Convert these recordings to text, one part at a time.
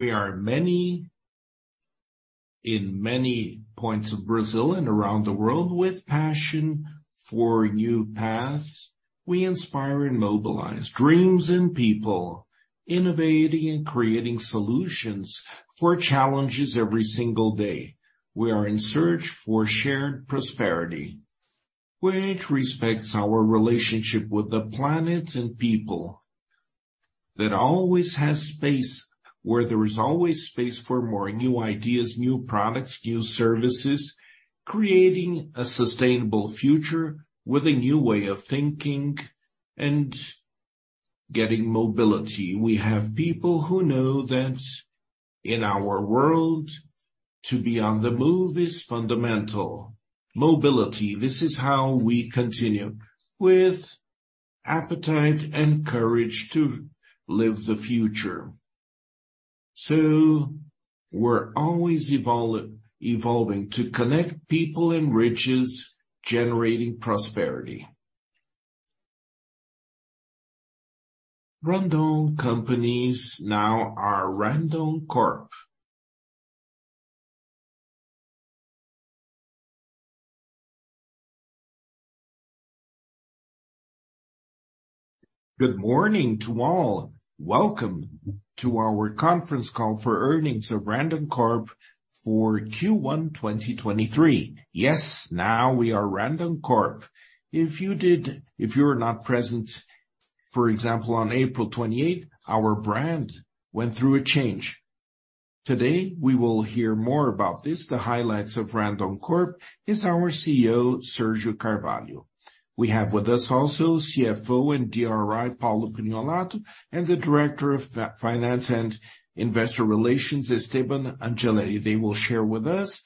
We are many in many points of Brazil and around the world with passion for new paths. We inspire and mobilize dreams in people, innovating and creating solutions for challenges every single day. We are in search for shared prosperity which respects our relationship with the planet and people, where there is always space for more new ideas, new products, new services, creating a sustainable future with a new way of thinking and getting mobility. We have people who know that in our world to be on the move is fundamental. Mobility. This is how we continue with appetite and courage to live the future. We're always evolving to connect people and riches, generating prosperity. Randon Companies now are Randoncorp. Good morning to all. Welcome to our conference call for earnings of Randoncorp for Q1, 2023. Yes, now we are Randoncorp. If you were not present, for example, on April 28, our brand went through a change. Today, we will hear more about this. The highlights of Randoncorp is our CEO, Sergio Carvalho. We have with us also CFO and DRI, Paulo Prignolato, and the Director of Finance and Investor Relations, Esteban Angeletti. They will share with us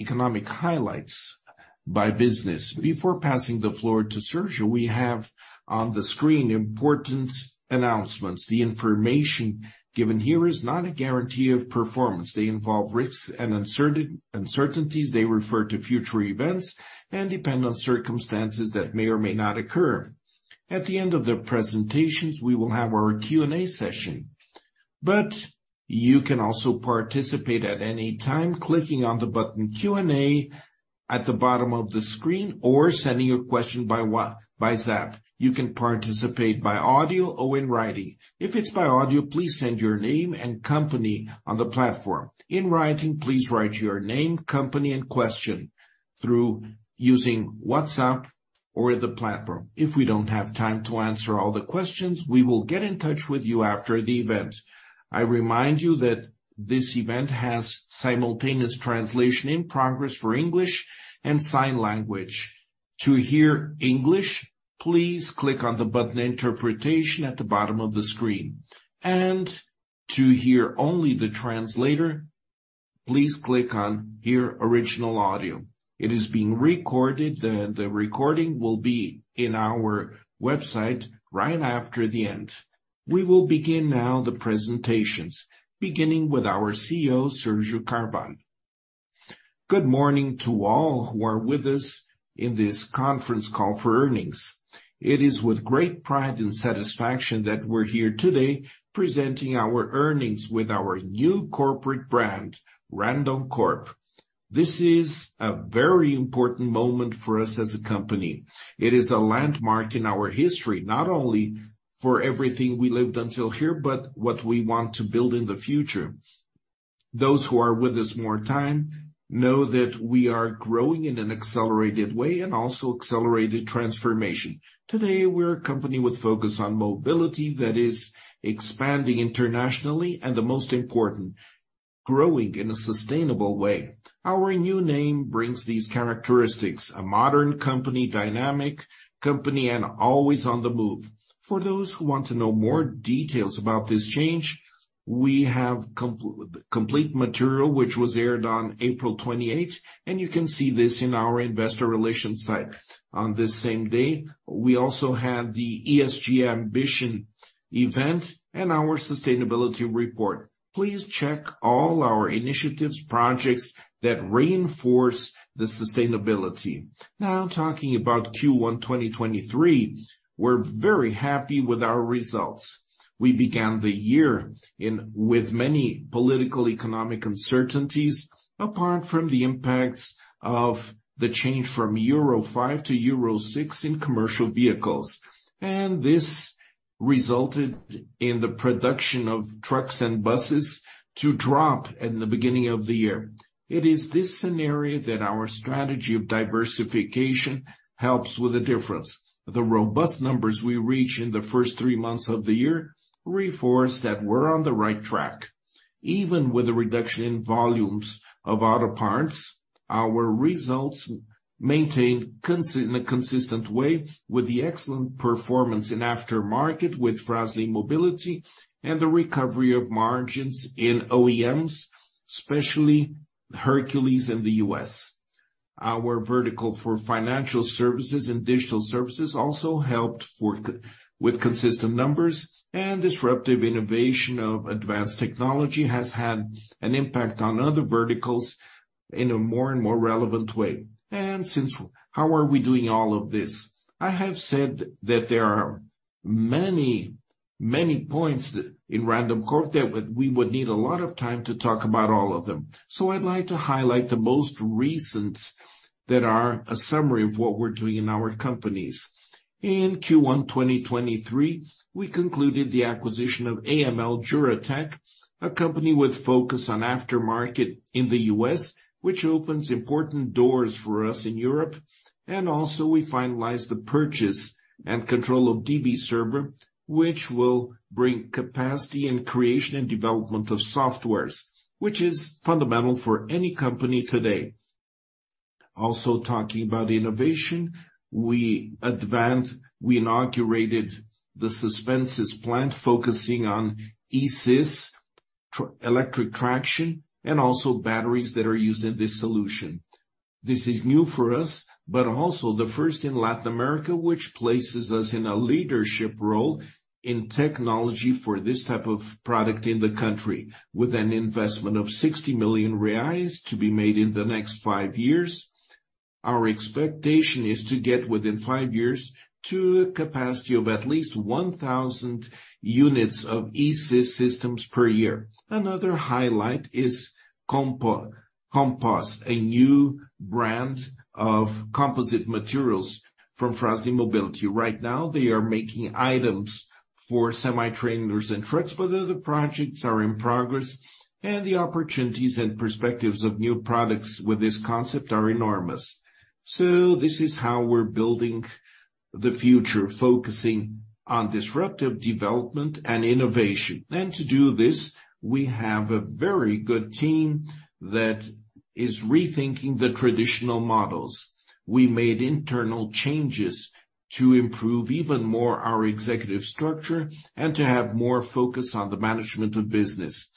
economic highlights by business. Before passing the floor to Sergio, we have on the screen important announcements. The information given here is not a guarantee of performance. They involve risks and uncertainties. They refer to future events and depend on circumstances that may or may not occur. At the end of the presentations, we will have our Q&A session, you can also participate at any time clicking on the button Q&A at the bottom of the screen, or sending your question by Zap. You can participate by audio or in writing. If it's by audio, please send your name and company on the platform. In writing, please write your name, company, and question through using WhatsApp or the platform. If we don't have time to answer all the questions, we will get in touch with you after the event. I remind you that this event has simultaneous translation in progress for English and sign language. To hear English, please click on the button Interpretation at the bottom of the screen. To hear only the translator, please click on Hear Original Audio. It is being recorded. The recording will be in our website right after the end. We will begin now the presentations, beginning with our CEO, Sérgio L. Carvalho. Good morning to all who are with us in this conference call for earnings. It is with great pride and satisfaction that we're here today presenting our earnings with our new corporate brand, Randoncorp. This is a very important moment for us as a company. It is a landmark in our history, not only for everything we lived until here, but what we want to build in the future. Those who are with us more time know that we are growing in an accelerated way and also accelerated transformation. Today, we're a company with focus on mobility that is expanding internationally and the most important, growing in a sustainable way. Our new name brings these characteristics. A modern company, dynamic company, and always on the move. For those who want to know more details about this change, we have complete material which was aired on April 28, and you can see this in our Investor Relations site. On this same day, we also had the ESG Ambition event and our sustainability report. Please check all our initiatives, projects that reinforce the sustainability. Talking about Q1 2023, we're very happy with our results. We began the year with many political-economic uncertainties, apart from the impacts of the change from Euro 5 to Euro 6 in commercial vehicles. This resulted in the production of trucks and buses to drop in the beginning of the year. It is this scenario that our strategy of diversification helps with the difference. The robust numbers we reach in the first three months of the year reinforce that we're on the right track. Even with the reduction in volumes of auto parts, our results maintain in a consistent way with the excellent performance in aftermarket with Fras-le Mobility and the recovery of margins in OEMs, especially Hercules in the US. Our vertical for financial services and digital services also helped with consistent numbers, and disruptive innovation of advanced technology has had an impact on other verticals in a more and more relevant way. Since how are we doing all of this? I have said that there are many points that in Randoncorp that we would need a lot of time to talk about all of them. I'd like to highlight the most recent that are a summary of what we're doing in our companies. In Q1 2023, we concluded the acquisition of AML Juratek, a company with focus on aftermarket in the U.S., which opens important doors for us in Europe. We finalized the purchase and control of DBServer, which will bring capacity and creation and development of softwares, which is fundamental for any company today. Talking about innovation, we inaugurated the Suspensys plant, focusing on e-Sys, electric traction, and also batteries that are used in this solution. This is new for us, the first in Latin America, which places us in a leadership role in technology for this type of product in the country. With an investment of 60 million reais to be made in the next five years, our expectation is to get within five years to a capacity of at least 1,000 units of e-Sys systems per year. Another highlight is Compo, Compos, a new brand of composite materials from Fras-le Mobility. Right now, they are making items for semi-trailers and trucks, but other projects are in progress, and the opportunities and perspectives of new products with this concept are enormous. This is how we're building the future, focusing on disruptive development and innovation. To do this, we have a very good team that is rethinking the traditional models. We made internal changes to improve even more our executive structure and to have more focus on the management of business.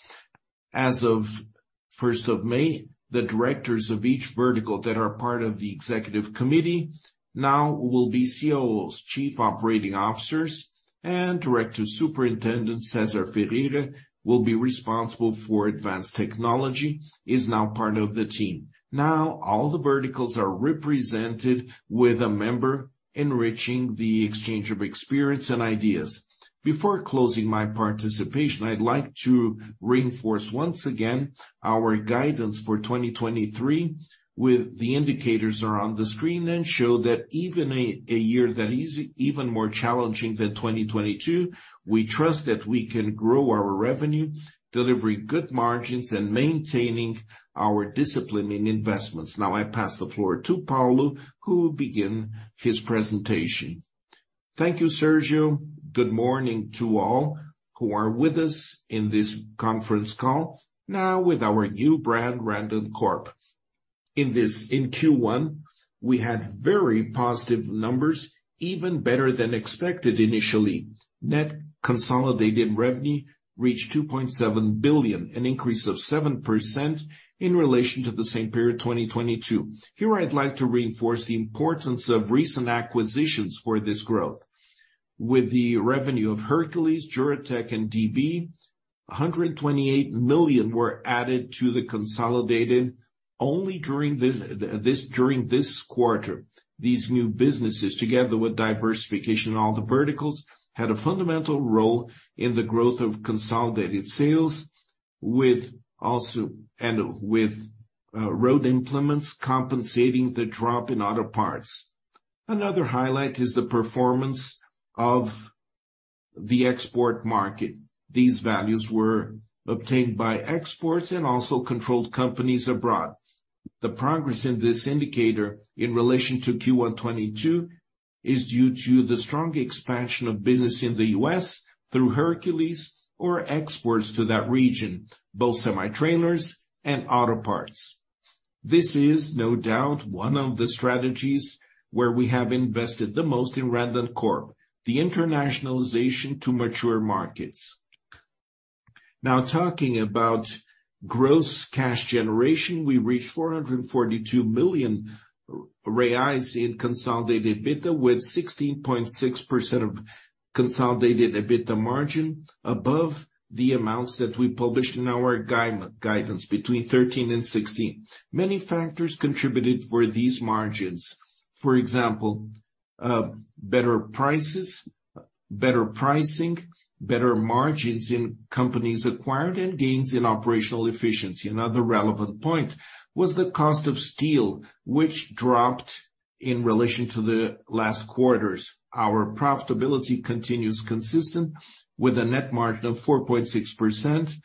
As of first of May, the directors of each vertical that are part of the executive committee now will be COOs, Chief Operating Officers, and Director Superintendent Cesar Ferreira will be responsible for advanced technology, is now part of the team. All the verticals are represented with a member enriching the exchange of experience and ideas. Before closing my participation, I'd like to reinforce once again our guidance for 2023 with the indicators are on the screen and show that even a year that is even more challenging than 2022, we trust that we can grow our revenue, delivering good margins and maintaining our discipline in investments. I pass the floor to Paulo, who will begin his presentation. Thank you, Sérgio. Good morning to all who are with us in this conference call. With our new brand, Randoncorp. In Q1, we had very positive numbers, even better than expected initially. Net consolidated revenue reached 2.7 billion, an increase of 7% in relation to the same period, 2022. Here I'd like to reinforce the importance of recent acquisitions for this growth. With the revenue of Hercules, Juratek, and DB, 128 million were added to the consolidated only during this, during this quarter. These new businesses, together with diversification in all the verticals, had a fundamental role in the growth of consolidated sales, and with road implements compensating the drop in auto parts. Another highlight is the performance of the export market. These values were obtained by exports and also controlled companies abroad. The progress in this indicator in relation to Q1 2022 is due to the strong expansion of business in the U.S. through Hercules or exports to that region, both semi-trailers and auto parts. This is no doubt one of the strategies where we have invested the most in Randoncorp, the internationalization to mature markets. Talking about gross cash generation, we reached 442 million reais in consolidated EBITDA with 16.6% of consolidated EBITDA margin above the amounts that we published in our guidance between 13%-16%. Many factors contributed for these margins. For example, better prices, better pricing, better margins in companies acquired, and gains in operational efficiency. Another relevant point was the cost of steel, which dropped in relation to the last quarters. Our profitability continues consistent with a net margin of 4.6%,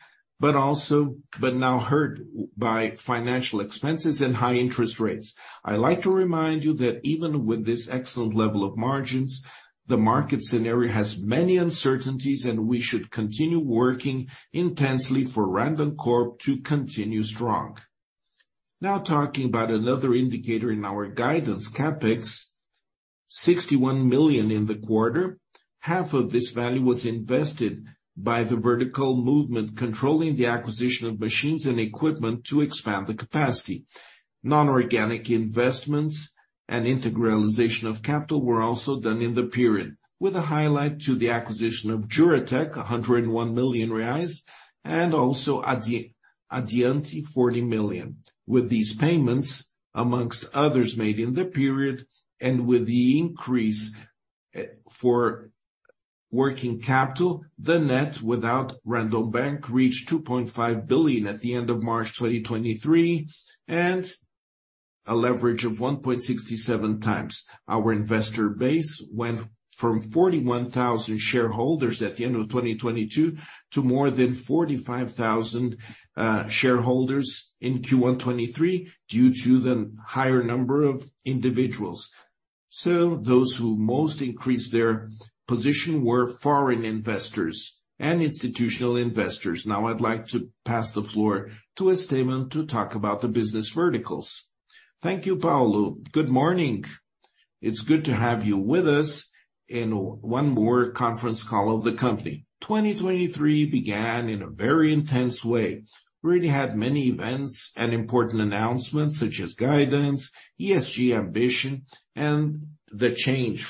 but now hurt by financial expenses and high interest rates. I like to remind you that even with this excellent level of margins, the market scenario has many uncertainties, and we should continue working intensely for Randoncorp to continue strong. Talking about another indicator in our guidance, CapEx, 61 million in the quarter. Half of this value was invested by the vertical movement, controlling the acquisition of machines and equipment to expand the capacity. Non-organic investments and integralization of capital were also done in the period, with a highlight to the acquisition of Juratek, 101 million reais, and also Addiante 40 million. With these payments, amongst others made in the period, and with the increase for working capital, the net without Randon Bank reached 2.5 billion at the end of March 2023, and a leverage of 1.67 times. Our investor base went from 41,000 shareholders at the end of 2022 to more than 45,000 shareholders in Q1 2023 due to the higher number of individuals. Those who most increased their position were foreign investors and institutional investors. Now I'd like to pass the floor to Estevão to talk about the business verticals. Thank you, Paulo. Good morning. It's good to have you with us in one more conference call of the company. 2023 began in a very intense way. We already had many events and important announcements such as guidance, ESG ambition, and the change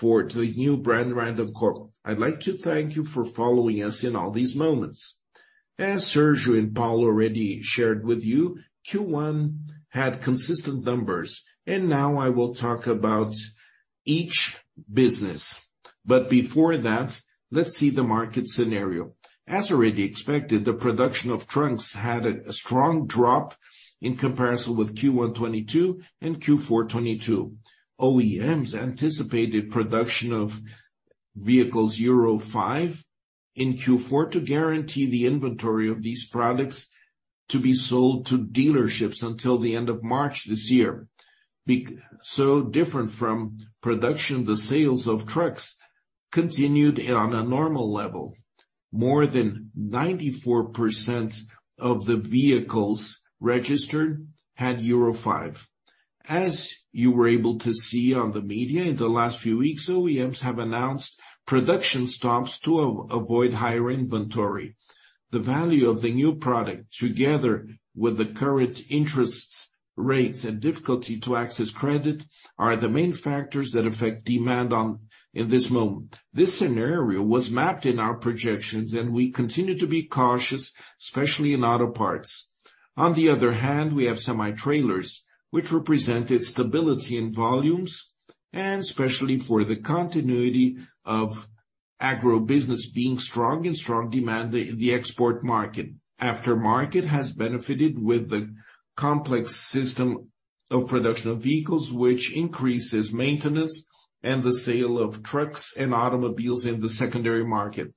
for the new brand Randoncorp. I'd like to thank you for following us in all these moments. As Sergio and Paulo already shared with you, Q1 had consistent numbers, and now I will talk about each business. Before that, let's see the market scenario. As already expected, the production of trunks had a strong drop in comparison with Q1 22 and Q4 22. OEMs anticipated production of vehicles Euro 5 in Q4 to guarantee the inventory of these products to be sold to dealerships until the end of March this year. Different from production, the sales of trucks continued on a normal level. More than 94% of the vehicles registered had Euro 5. As you were able to see on the media in the last few weeks, OEMs have announced production stops to avoid higher inventory. The value of the new product, together with the current interest rates and difficulty to access credit, are the main factors that affect demand in this moment. This scenario was mapped in our projections, we continue to be cautious, especially in auto parts. On the other hand, we have semi-trailers which represented stability in volumes and especially for the continuity of agro business being strong demand in the export market. Aftermarket has benefited with the complex system of production of vehicles which increases maintenance and the sale of trucks and automobiles in the secondary market.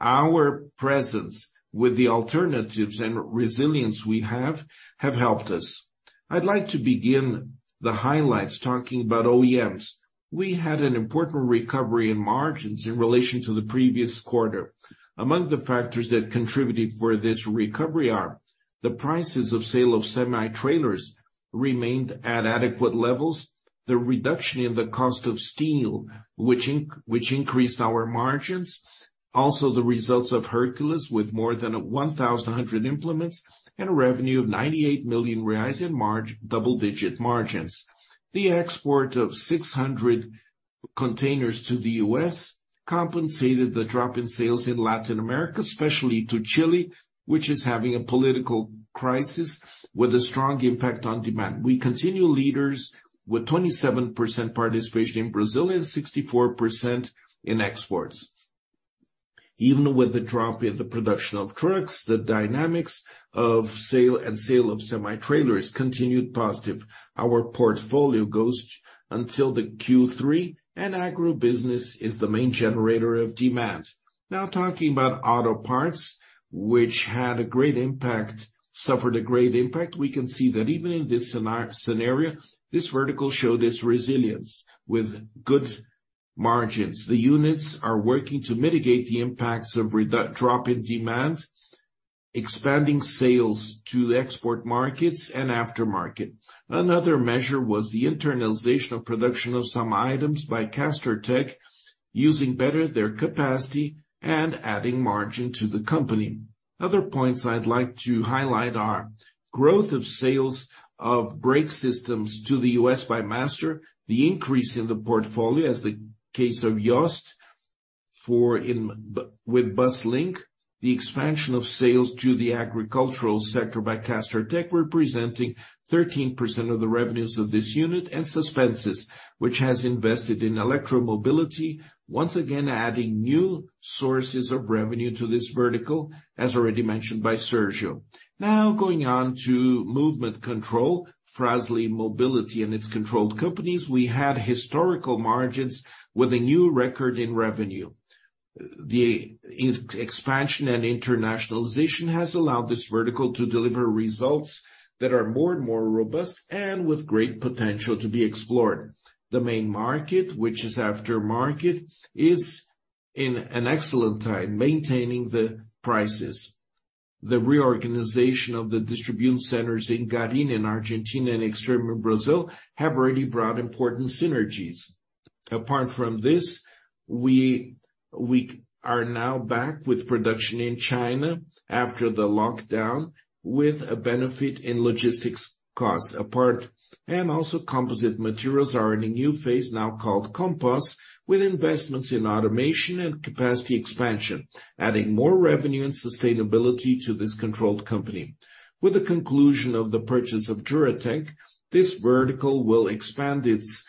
Our presence with the alternatives and resilience we have helped us. I'd like to begin the highlights talking about OEMs. We had an important recovery in margins in relation to the previous quarter. Among the factors that contributed for this recovery are the prices of sale of semi-trailers remained at adequate levels, the reduction in the cost of steel, which increased our margins. Also, the results of Hercules with more than 1,000 implements and a revenue of 98 million reais in double-digit margins. The export of 600 containers to the US compensated the drop in sales in Latin America, especially to Chile, which is having a political crisis with a strong impact on demand. We continue leaders with 27% participation in Brazil and 64% in exports. Even with the drop in the production of trucks, the dynamics of sale and sale of semi-trailers continued positive. Our portfolio goes until the Q3 and agribusiness is the main generator of demand. Now talking about auto parts which suffered a great impact, we can see that even in this scenario, this vertical showed its resilience with good margins. The units are working to mitigate the impacts of drop in demand, expanding sales to export markets and aftermarket. Another measure was the internalization of production of some items by Castertech using better their capacity and adding margin to the company. Other points I'd like to highlight are growth of sales of brake systems to the US by Master, the increase in the portfolio as the case of Jost with Buslink, the expansion of sales to the agricultural sector by Castertech representing 13% of the revenues of this unit and Suspensys which has invested in electromobility once again adding new sources of revenue to this vertical as already mentioned by Sérgio. Going on to movement control, Fras-le Mobility and its controlled companies. We had historical margins with a new record in revenue. The expansion and internationalization has allowed this vertical to deliver results that are more and more robust and with great potential to be explored. The main market which is aftermarket is in an excellent time maintaining the prices. The reorganization of the distribution centers in Garín, in Argentina and Extrema Brazil have already brought important synergies. Apart from this, we are now back with production in China after the lockdown, with a benefit in logistics costs apart. Composite materials are in a new phase now called Compos, with investments in automation and capacity expansion, adding more revenue and sustainability to this controlled company. With the conclusion of the purchase of Juratek, this vertical will expand its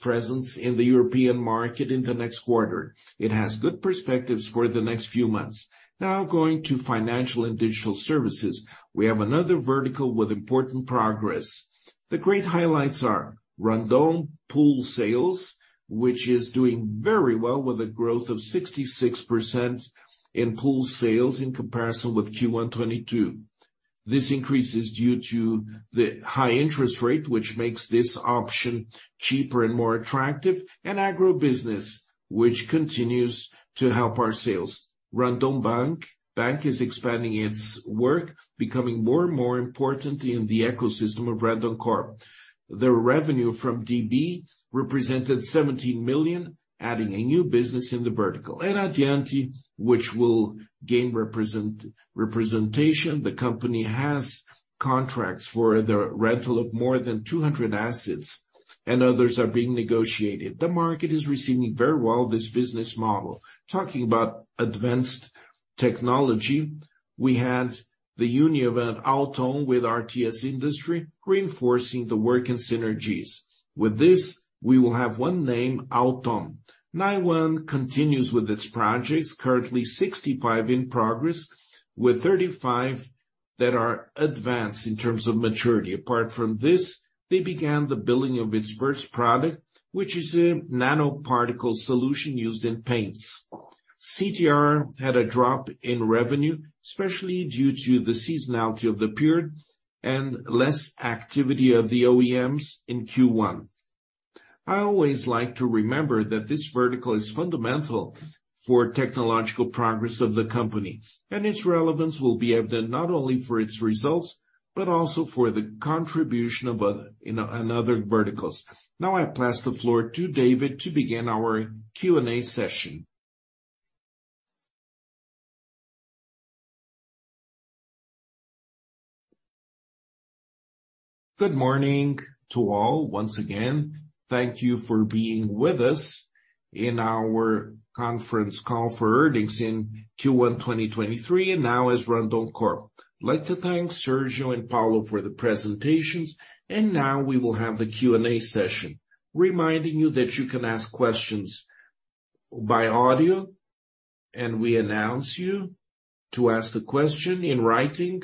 presence in the European market in the next quarter. It has good perspectives for the next few months. Now going to financial and digital services. We have another vertical with important progress. The great highlights are Randon Pool sales, which is doing very well with a growth of 66% in pool sales in comparison with Q1 2022. This increase is due to the high interest rate, which makes this option cheaper and more attractive, and agribusiness, which continues to help our sales. Randon Bank is expanding its work, becoming more and more important in the ecosystem of Randoncorp. The revenue from DB represented 17 million, adding a new business in the vertical. Addiante, which will gain representation. The company has contracts for the rental of more than 200 assets, and others are being negotiated. The market is receiving very well this business model. Talking about advanced technology, we had the union of Auttom with RTS Industry, reinforcing the work and synergies. With this, we will have one name, Auttom. NIONE continues with its projects, currently 65 in progress, with 35 that are advanced in terms of maturity. Apart from this, they began the building of its first product, which is a nanoparticle solution used in paints. CTR had a drop in revenue, especially due to the seasonality of the period and less activity of the OEMs in Q1. I always like to remember that this vertical is fundamental for technological progress of the company, and its relevance will be evident not only for its results, but also for the contribution in other verticals. I pass the floor to David to begin our Q&A session. Good morning to all. Once again, thank you for being with us in our conference call for earnings in Q1, 2023 and now as Randoncorp. I'd like to thank Sérgio and Paulo for the presentations. Now we will have the Q&A session, reminding you that you can ask questions by audio, and we announce you to ask the question in writing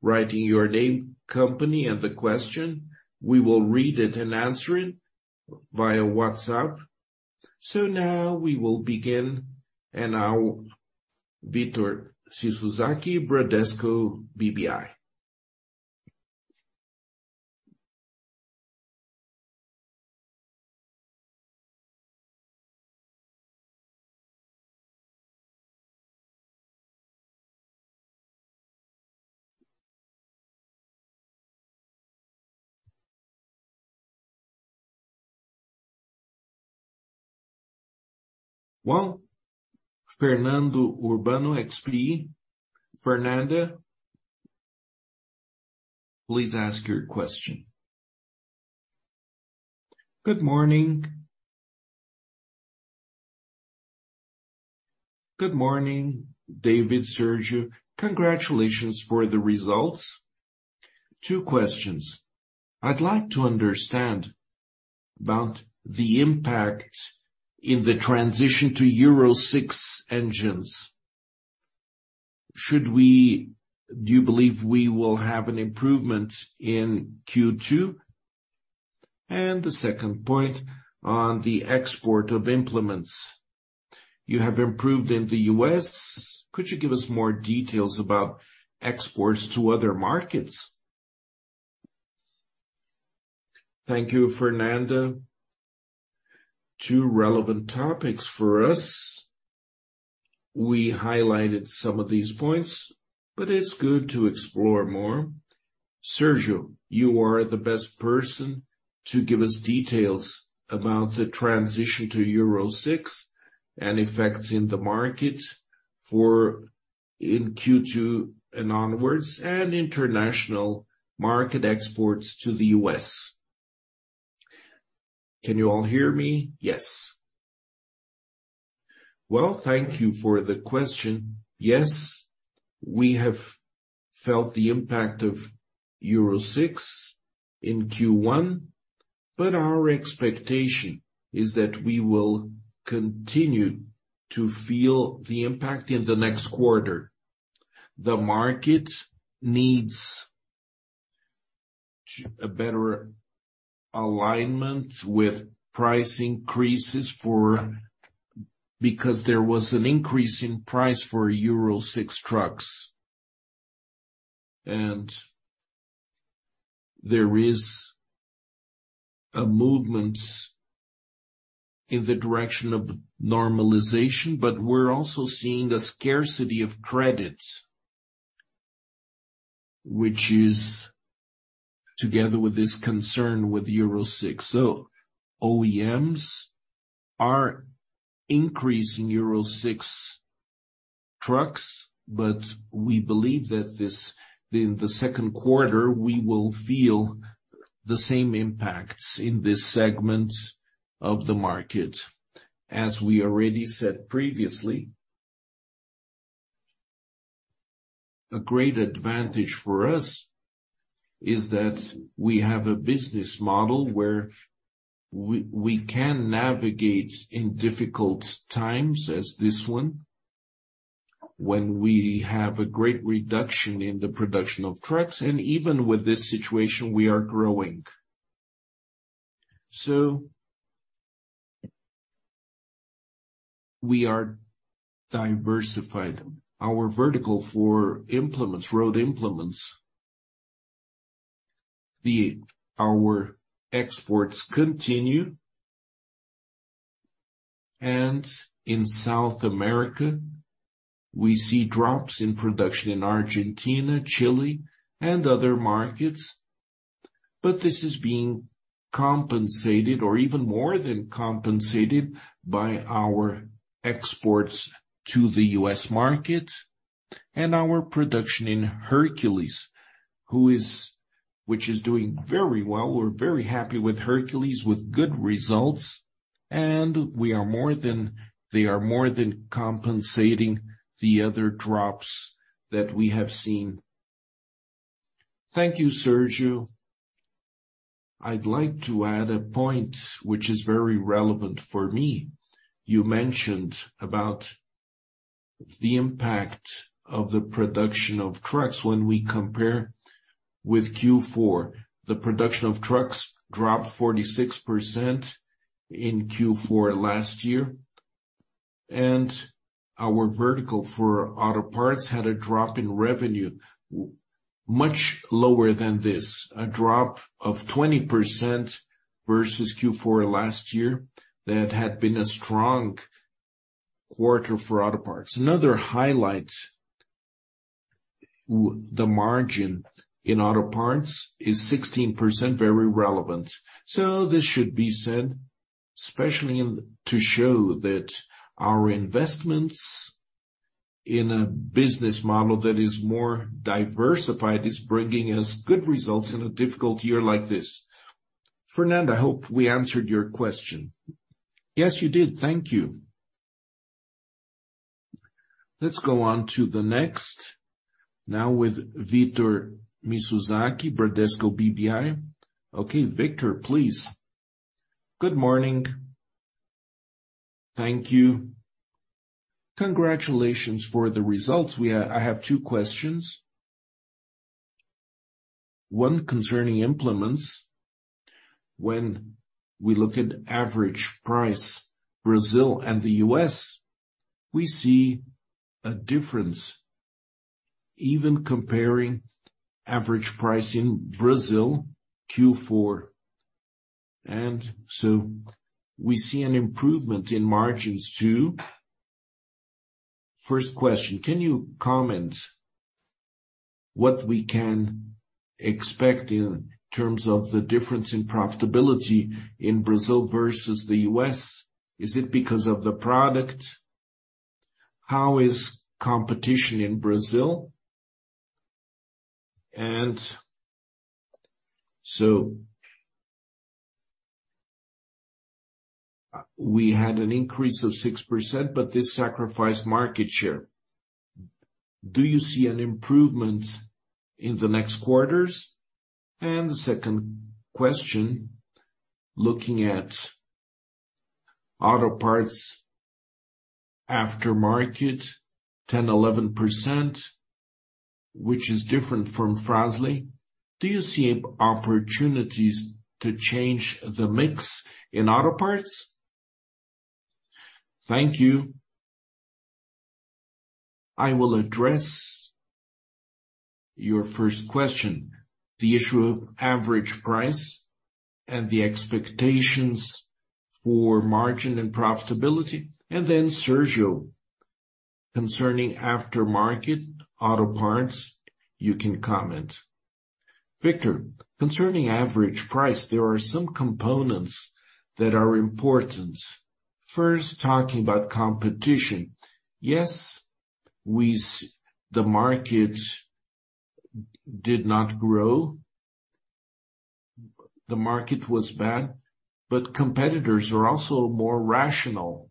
your name, company and the question. We will read it and answer it via WhatsApp. Now we will begin and now Victor Mizusaki, Bradesco BBI. Well, Fernanda Urbano, XP. Fernanda, please ask your question. Good morning. Good morning, David, Sérgio. Congratulations for the results. Two questions. I'd like to understand about the impact in the transition to Euro 6 engines. Do you believe we will have an improvement in Q2? The second point on the export of implements. You have improved in the U.S. Could you give us more details about exports to other markets? Thank you, Fernanda. Two relevant topics for us. We highlighted some of these points, but it's good to explore more. Sérgio, you are the best person to give us details about the transition to Euro 6 and effects in the market in Q2 and onwards and international market exports to the U.S. Can you all hear me? Yes. Well, thank you for the question. Yes, we have felt the impact of Euro 6 in Q1, but our expectation is that we will continue to feel the impact in the next quarter. The market needs a better alignment with price increases for. There was an increase in price for Euro 6 trucks. There is a movement in the direction of normalization. We're also seeing a scarcity of credit, which is together with this concern with Euro 6. OEMs are increasing Euro 6 trucks. We believe that this, in the second quarter, we will feel the same impacts in this segment of the market. As we already said previously, a great advantage for us is that we can navigate in difficult times as this one, when we have a great reduction in the production of trucks. Even with this situation, we are growing. We are diversified. Our vertical for implements, road implements, our exports continue. In South America, we see drops in production in Argentina, Chile, and other markets. This is being compensated or even more than compensated by our exports to the U.S. market and our production in Hercules, which is doing very well. We're very happy with Hercules, with good results, and they are more than compensating the other drops that we have seen. Thank you, Sérgio. I'd like to add a point which is very relevant for me. You mentioned about the impact of the production of trucks when we compare with Q4. The production of trucks dropped 46% in Q4 last year, and our vertical for auto parts had a drop in revenue, much lower than this. A drop of 20% versus Q4 last year. That had been a strong quarter for auto parts. Another highlight, the margin in auto parts is 16%, very relevant. This should be said, especially to show that our investments in a business model that is more diversified is bringing us good results in a difficult year like this. Fernando, I hope we answered your question. Yes, you did. Thank you. Let's go on to the next, now with Victor Mizusaki, Bradesco BBI. Okay, Victor, please. Good morning. Thank you. Congratulations for the results. I have two questions. One concerning implements. When we look at average price, Brazil and the US, we see a difference even comparing average price in Brazil, Q4. We see an improvement in margins too. First question, can you comment what we can expect in terms of the difference in profitability in Brazil versus the US? Is it because of the product? How is competition in Brazil? We had an increase of 6%, but this sacrificed market share. Do you see an improvement in the next quarters? The second question, looking at auto parts aftermarket 10%, 11%, which is different from Fras-le. Do you see opportunities to change the mix in auto parts? Thank you. I will address your first question, the issue of average price and the expectations for margin and profitability. Then Sérgio, concerning aftermarket auto parts, you can comment. Victor, concerning average price, there are some components that are important. First, talking about competition. Yes, we saw the market did not grow. The market was bad, but competitors are also more rational.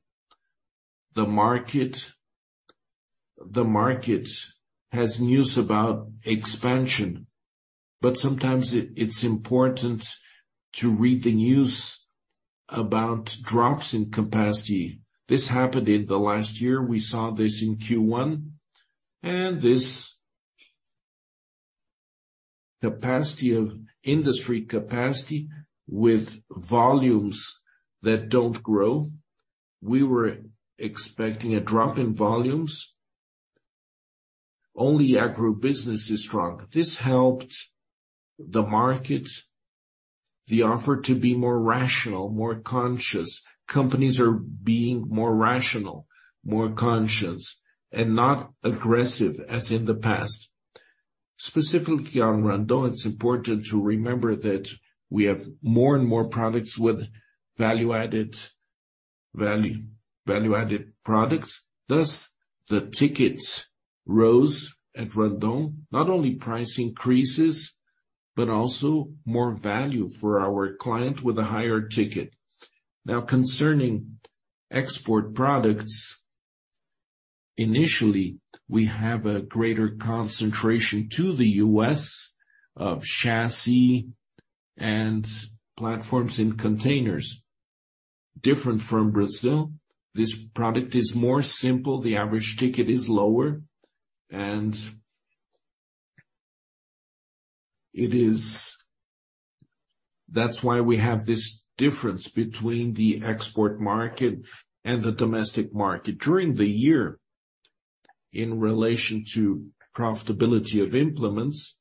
The market has news about expansion, but sometimes it's important to read the news about drops in capacity. This happened in the last year. We saw this in Q1. And this capacity, industry capacity with volumes that don't grow, we were expecting a drop in volumes. Only agribusiness is strong. This helped the market. The offer to be more rational, more conscious. Companies are being more rational, more conscious, and not aggressive as in the past. Specifically on Randon, it's important to remember that we have more and more products with value-added products. Thus, the tickets rose at Randon, not only price increases, but also more value for our client with a higher ticket. Now concerning export products, initially, we have a greater concentration to the US of chassis and platforms in containers. Different from Brazil, this product is more simple, the average ticket is lower. That's why we have this difference between the export market and the domestic market. During the year, in relation to profitability of implements,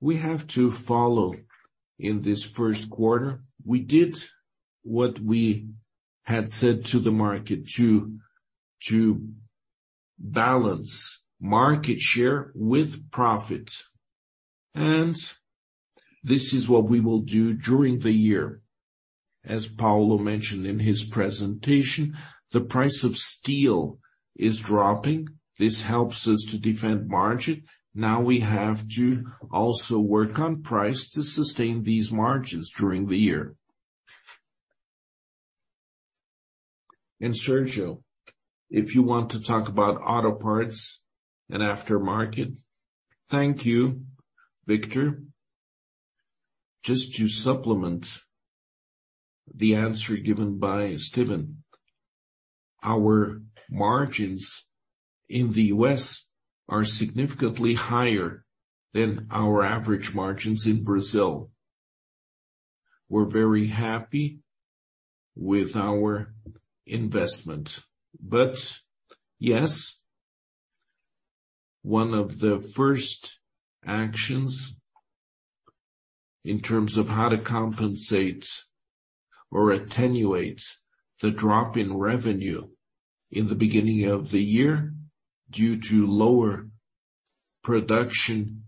we have to follow. In this first quarter, we did what we had said to the market to balance market share with profit. This is what we will do during the year. As Paulo mentioned in his presentation, the price of steel is dropping. This helps us to defend margin. We have to also work on price to sustain these margins during the year. Sergio, if you want to talk about auto parts and aftermarket. Thank you, Victor. Just to supplement the answer given by Esteban. Our margins in the U.S. are significantly higher than our average margins in Brazil. We're very happy with our investment. Yes, one of the first actions in terms of how to compensate or attenuate the drop in revenue in the beginning of the year due to lower production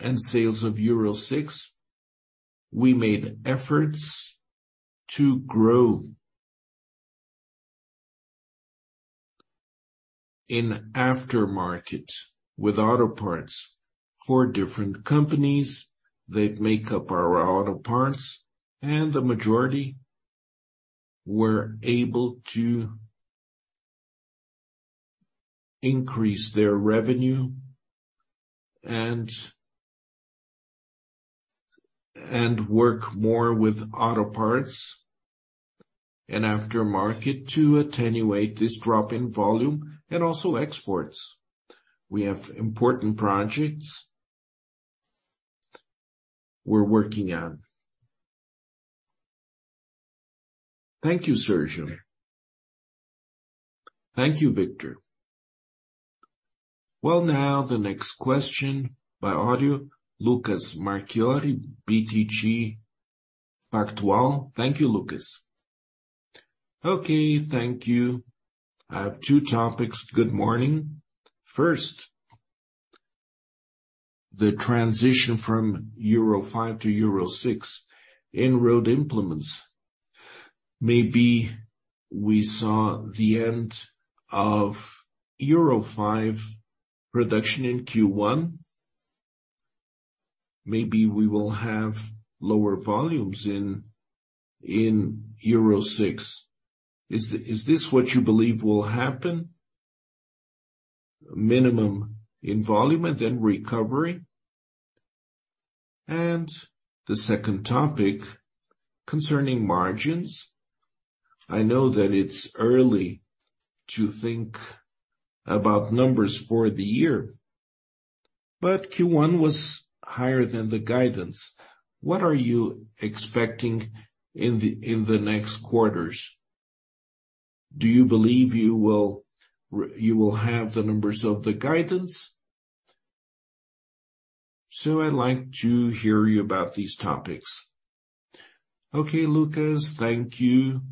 and sales of Euro 6, we made efforts to grow in aftermarket with auto parts. Four different companies that make up our auto parts. The majority were able to increase their revenue and work more with auto parts and aftermarket to attenuate this drop in volume and also exports. We have important projects we're working on. Thank you, Sergio. Thank you, Victor. Well, now the next question by audio, Lucas Marchiori, BTG Pactual. Thank you, Lucas. Okay, thank you. I have two topics. Good morning. First, the transition from Euro 5 to Euro 6 in road implements. Maybe we saw the end of Euro 5 production in Q1. Maybe we will have lower volumes in Euro 6. Is this what you believe will happen? Minimum in volume and then recovery. The second topic concerning margins. I know that it's early to think about numbers for the year, but Q1 was higher than the guidance. What are you expecting in the, in the next quarters? Do you believe you will have the numbers of the guidance? I'd like to hear you about these topics. Okay, Lucas. Thank you.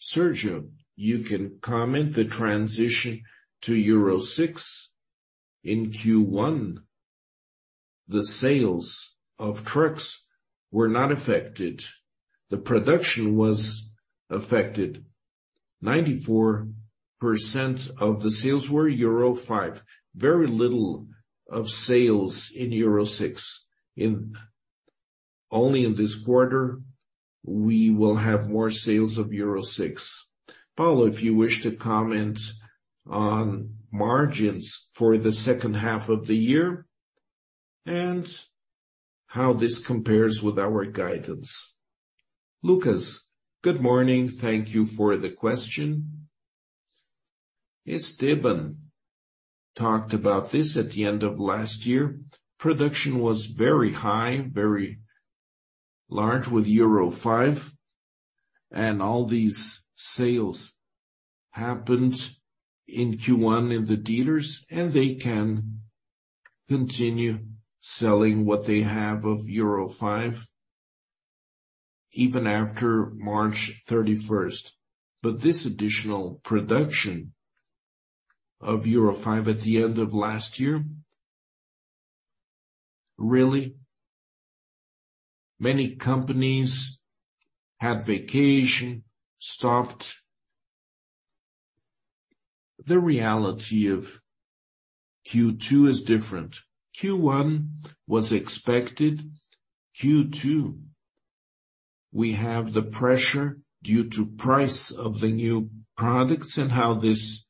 Sérgio, you can comment the transition to Euro 6. In Q1, the sales of trucks were not affected. The production was affected. 94% of the sales were Euro 5. Very little of sales in Euro 6. Only in this quarter, we will have more sales of Euro 6. Paulo, if you wish to comment on margins for the second half of the year and how this compares with our guidance. Lucas, good morning. Thank you for the question. Esteban talked about this at the end of last year. Production was very high, very large with Euro 5. All these sales happened in Q1 in the dealers, and they can continue selling what they have of Euro 5 even after March 31st. This additional production of Euro 5 at the end of last year, really many companies had vacation, stopped. The reality of Q2 is different. Q1 was expected. Q2, we have the pressure due to price of the new products and how this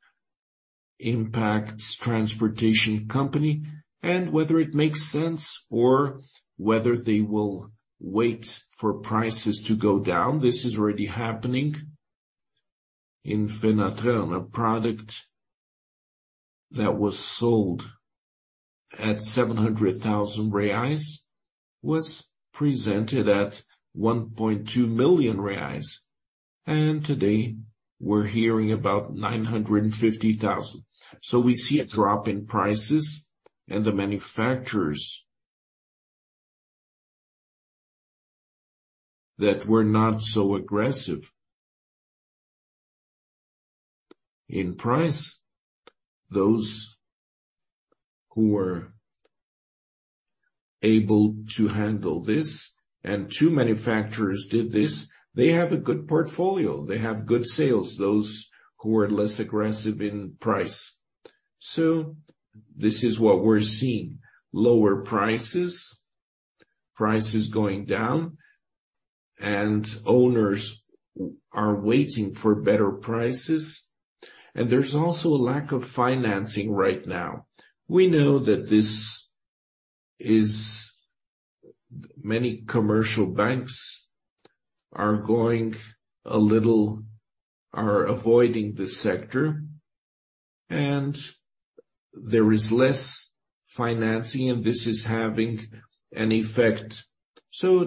impacts transportation company and whether it makes sense or whether they will wait for prices to go down. This is already happening in Fenatran. A product that was sold at 700,000 reais, was presented at 1.2 million reais. Today we're hearing about 950,000. We see a drop in prices, and the manufacturers that were not so aggressive in price, those who were able to handle this, and two manufacturers did this. They have a good portfolio, they have good sales, those who are less aggressive in price. This is what we're seeing. Lower prices going down, and owners are waiting for better prices. There's also a lack of financing right now. We know that this is. Many commercial banks are avoiding this sector, and there is less financing, and this is having an effect.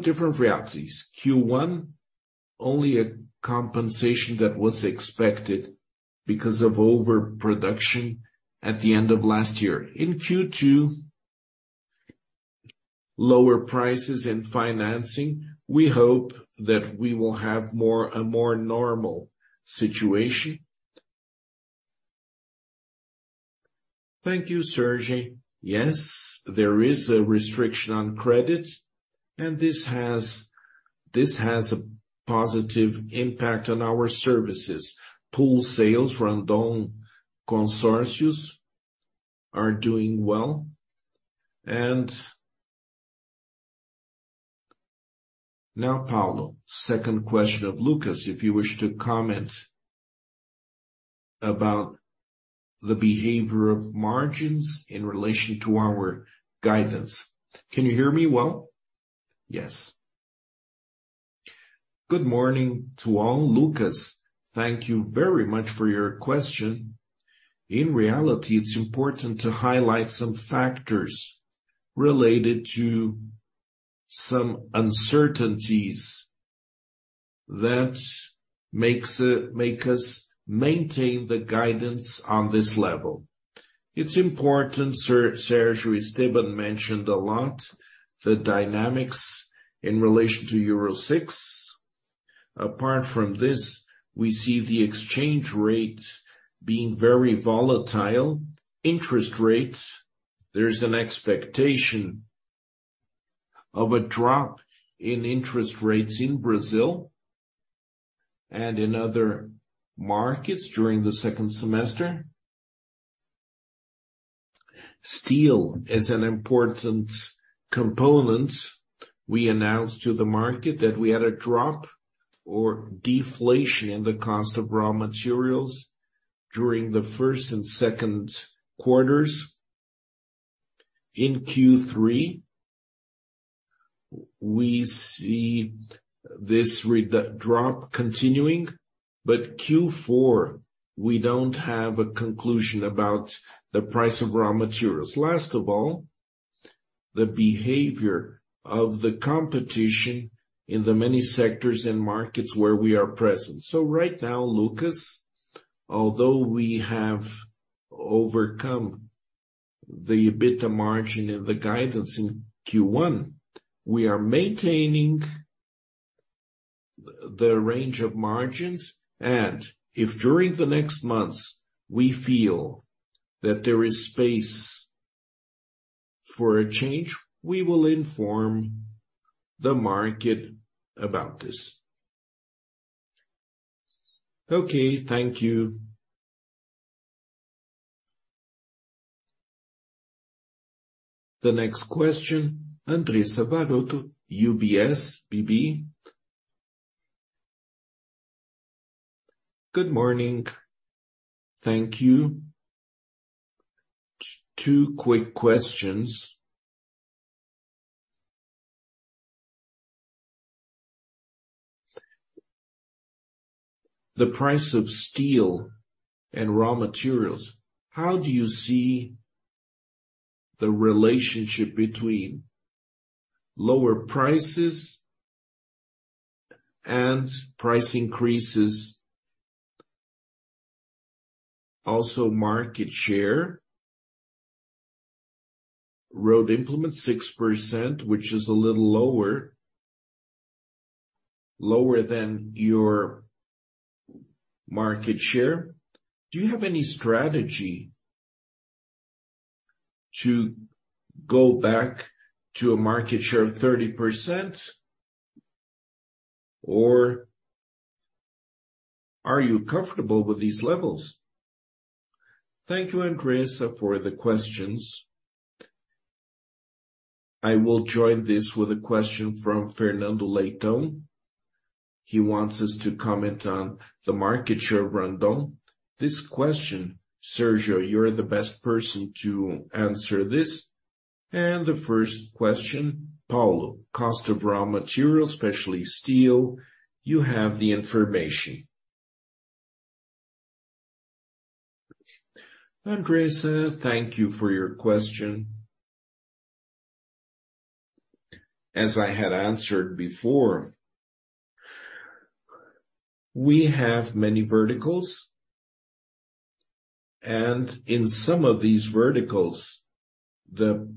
Different realities. Q1, only a compensation that was expected because of overproduction at the end of last year. In Q2, lower prices and financing, we hope that we will have more, a more normal situation. Thank you, Sérgio. Yes, there is a restriction on credit, this has a positive impact on our services. Pool sales, Randon Consórcios are doing well. Now, Paulo, second question of Lucas, if you wish to comment about the behavior of margins in relation to our guidance. Can you hear me well? Yes. Good morning to all. Lucas, thank you very much for your question. In reality, it's important to highlight some factors related to some uncertainties that make us maintain the guidance on this level. It's important, Sergio Esteban mentioned a lot the dynamics in relation to Euro 6. Apart from this, we see the exchange rate being very volatile. Interest rates, there's an expectation of a drop in interest rates in Brazil and in other markets during the second semester. Steel is an important component. We announced to the market that we had a drop or deflation in the cost of raw materials during the first and second quarters. In Q3, we see this drop continuing, but Q4, we don't have a conclusion about the price of raw materials. Last of all, the behavior of the competition in the many sectors and markets where we are present. Right now, Lucas, although we have overcome the EBITDA margin and the guidance in Q1, we are maintaining the range of margins. If during the next months we feel that there is space for a change, we will inform the market about this. Okay. Thank you. The next question, Andressa Varotto, UBS BB. Good morning. Thank you. Two quick questions. The price of steel and raw materials, how do you see the relationship between lower prices and price increases. Also market share. Road implement 6%, which is a little lower than your market share. Do you have any strategy to go back to a market share of 30% or are you comfortable with these levels? Thank you, Andressa, for the questions. I will join this with a question from Fernando Leitão. He wants us to comment on the market share of Randon. This question, Sérgio, you're the best person to answer this. The first question, Paulo, cost of raw materials, especially steel. You have the information. Andressa, thank you for your question. As I had answered before, we have many verticals, and in some of these verticals, the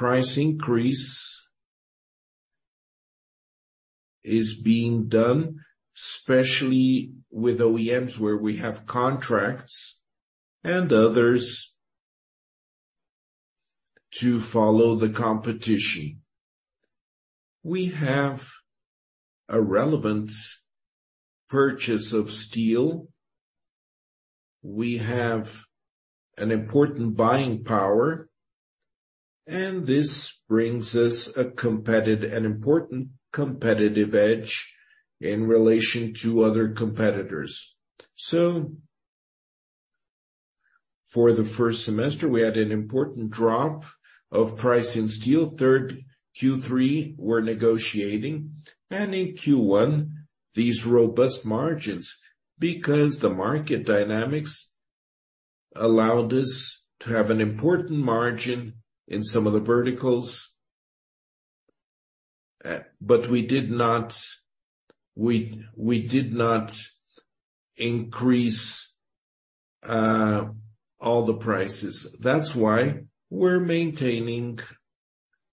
price increase is being done, especially with OEMs where we have contracts and others to follow the competition. We have a relevant purchase of steel. We have an important buying power, this brings us an important competitive edge in relation to other competitors. For the first semester, we had an important drop of price in steel. Q3, we're negotiating in Q1 these robust margins, because the market dynamics allowed us to have an important margin in some of the verticals. We did not increase all the prices. That's why we're maintaining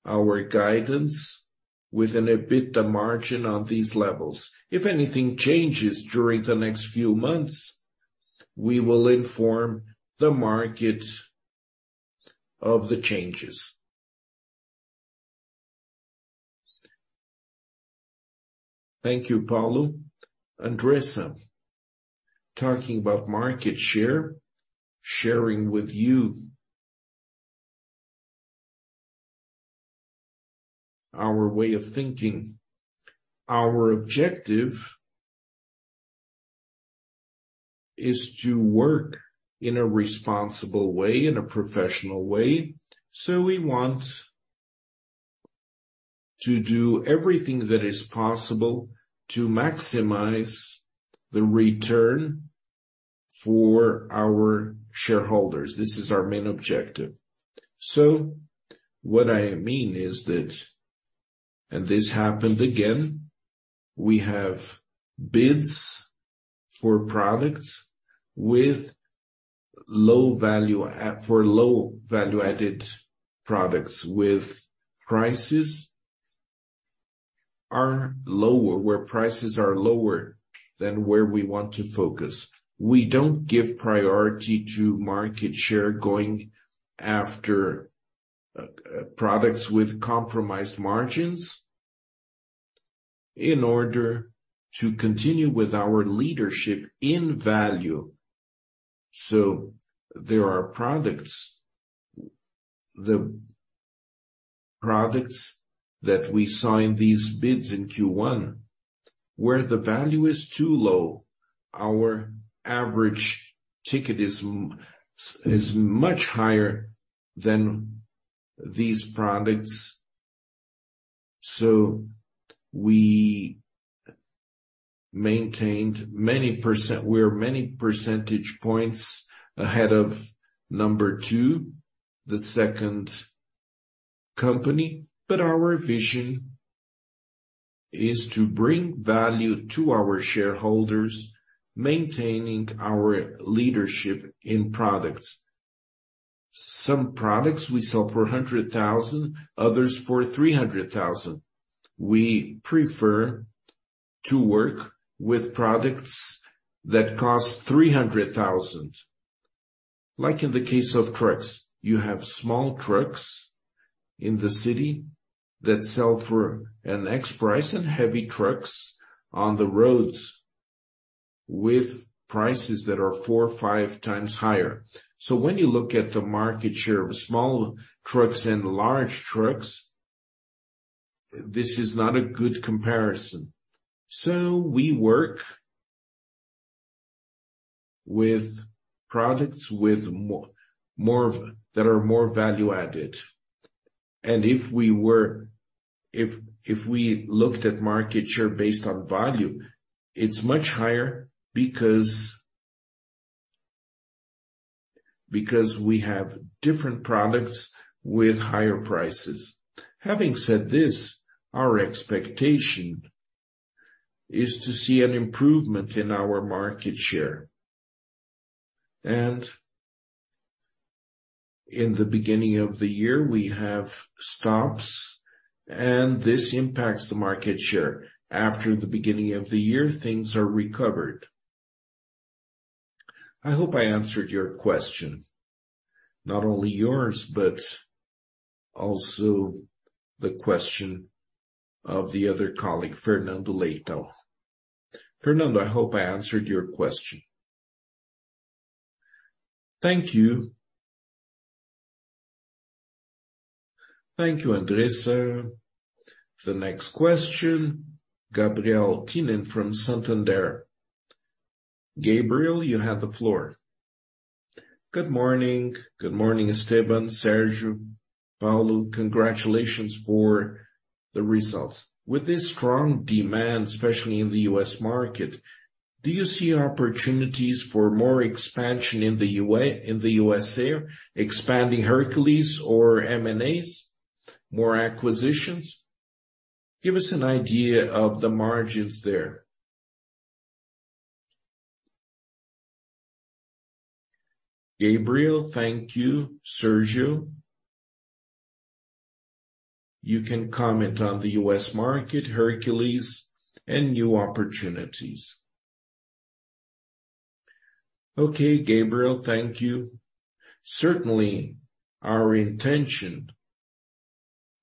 our guidance with an EBITDA margin on these levels. If anything changes during the next few months, we will inform the market of the changes. Thank you, Paulo. Andressa, talking about market share, sharing with you our way of thinking. Our objective is to work in a responsible way, in a professional way. We want to do everything that is possible to maximize the return for our shareholders. This is our main objective. What I mean is that, and this happened again, we have bids for products with low value for low value-added products with prices are lower, where prices are lower than where we want to focus. We don't give priority to market share going after products with compromised margins in order to continue with our leadership in value. There are products, the products that we sign these bids in Q1 where the value is too low, our average ticket is much higher than these products. We maintained many%. We are many percentage points ahead of number two, the second company. Our vision is to bring value to our shareholders, maintaining our leadership in products. Some products we sell for 100,000, others for 300,000. We prefer to work with products that cost 300,000. Like in the case of trucks, you have small trucks in the city that sell for an X price and heavy trucks on the roads with prices that are 4 or 5 times higher. When you look at the market share of small trucks and large trucks, this is not a good comparison. We work with products with more that are more value-added. And if we looked at market share based on value, it's much higher because we have different products with higher prices. Having said this, our expectation is to see an improvement in our market share. In the beginning of the year, we have stops, and this impacts the market share. After the beginning of the year, things are recovered. I hope I answered your question. Not only yours, but also the question of the other colleague, Fernando Leitão. Fernando, I hope I answered your question. Thank you. Thank you, Andressa. The next question, Gabriel Tinoco from Santander. Gabriel, you have the floor. Good morning. Good morning, Esteban, Sergio, Paulo. Congratulations for the results. With this strong demand, especially in the US market, do you see opportunities for more expansion in the USA, expanding Hercules or M&As, more acquisitions? Give us an idea of the margins there. Gabriel, thank you. Sergio. You can comment on the US market, Hercules and new opportunities. Okay, Gabriel, thank you. Certainly, our intention,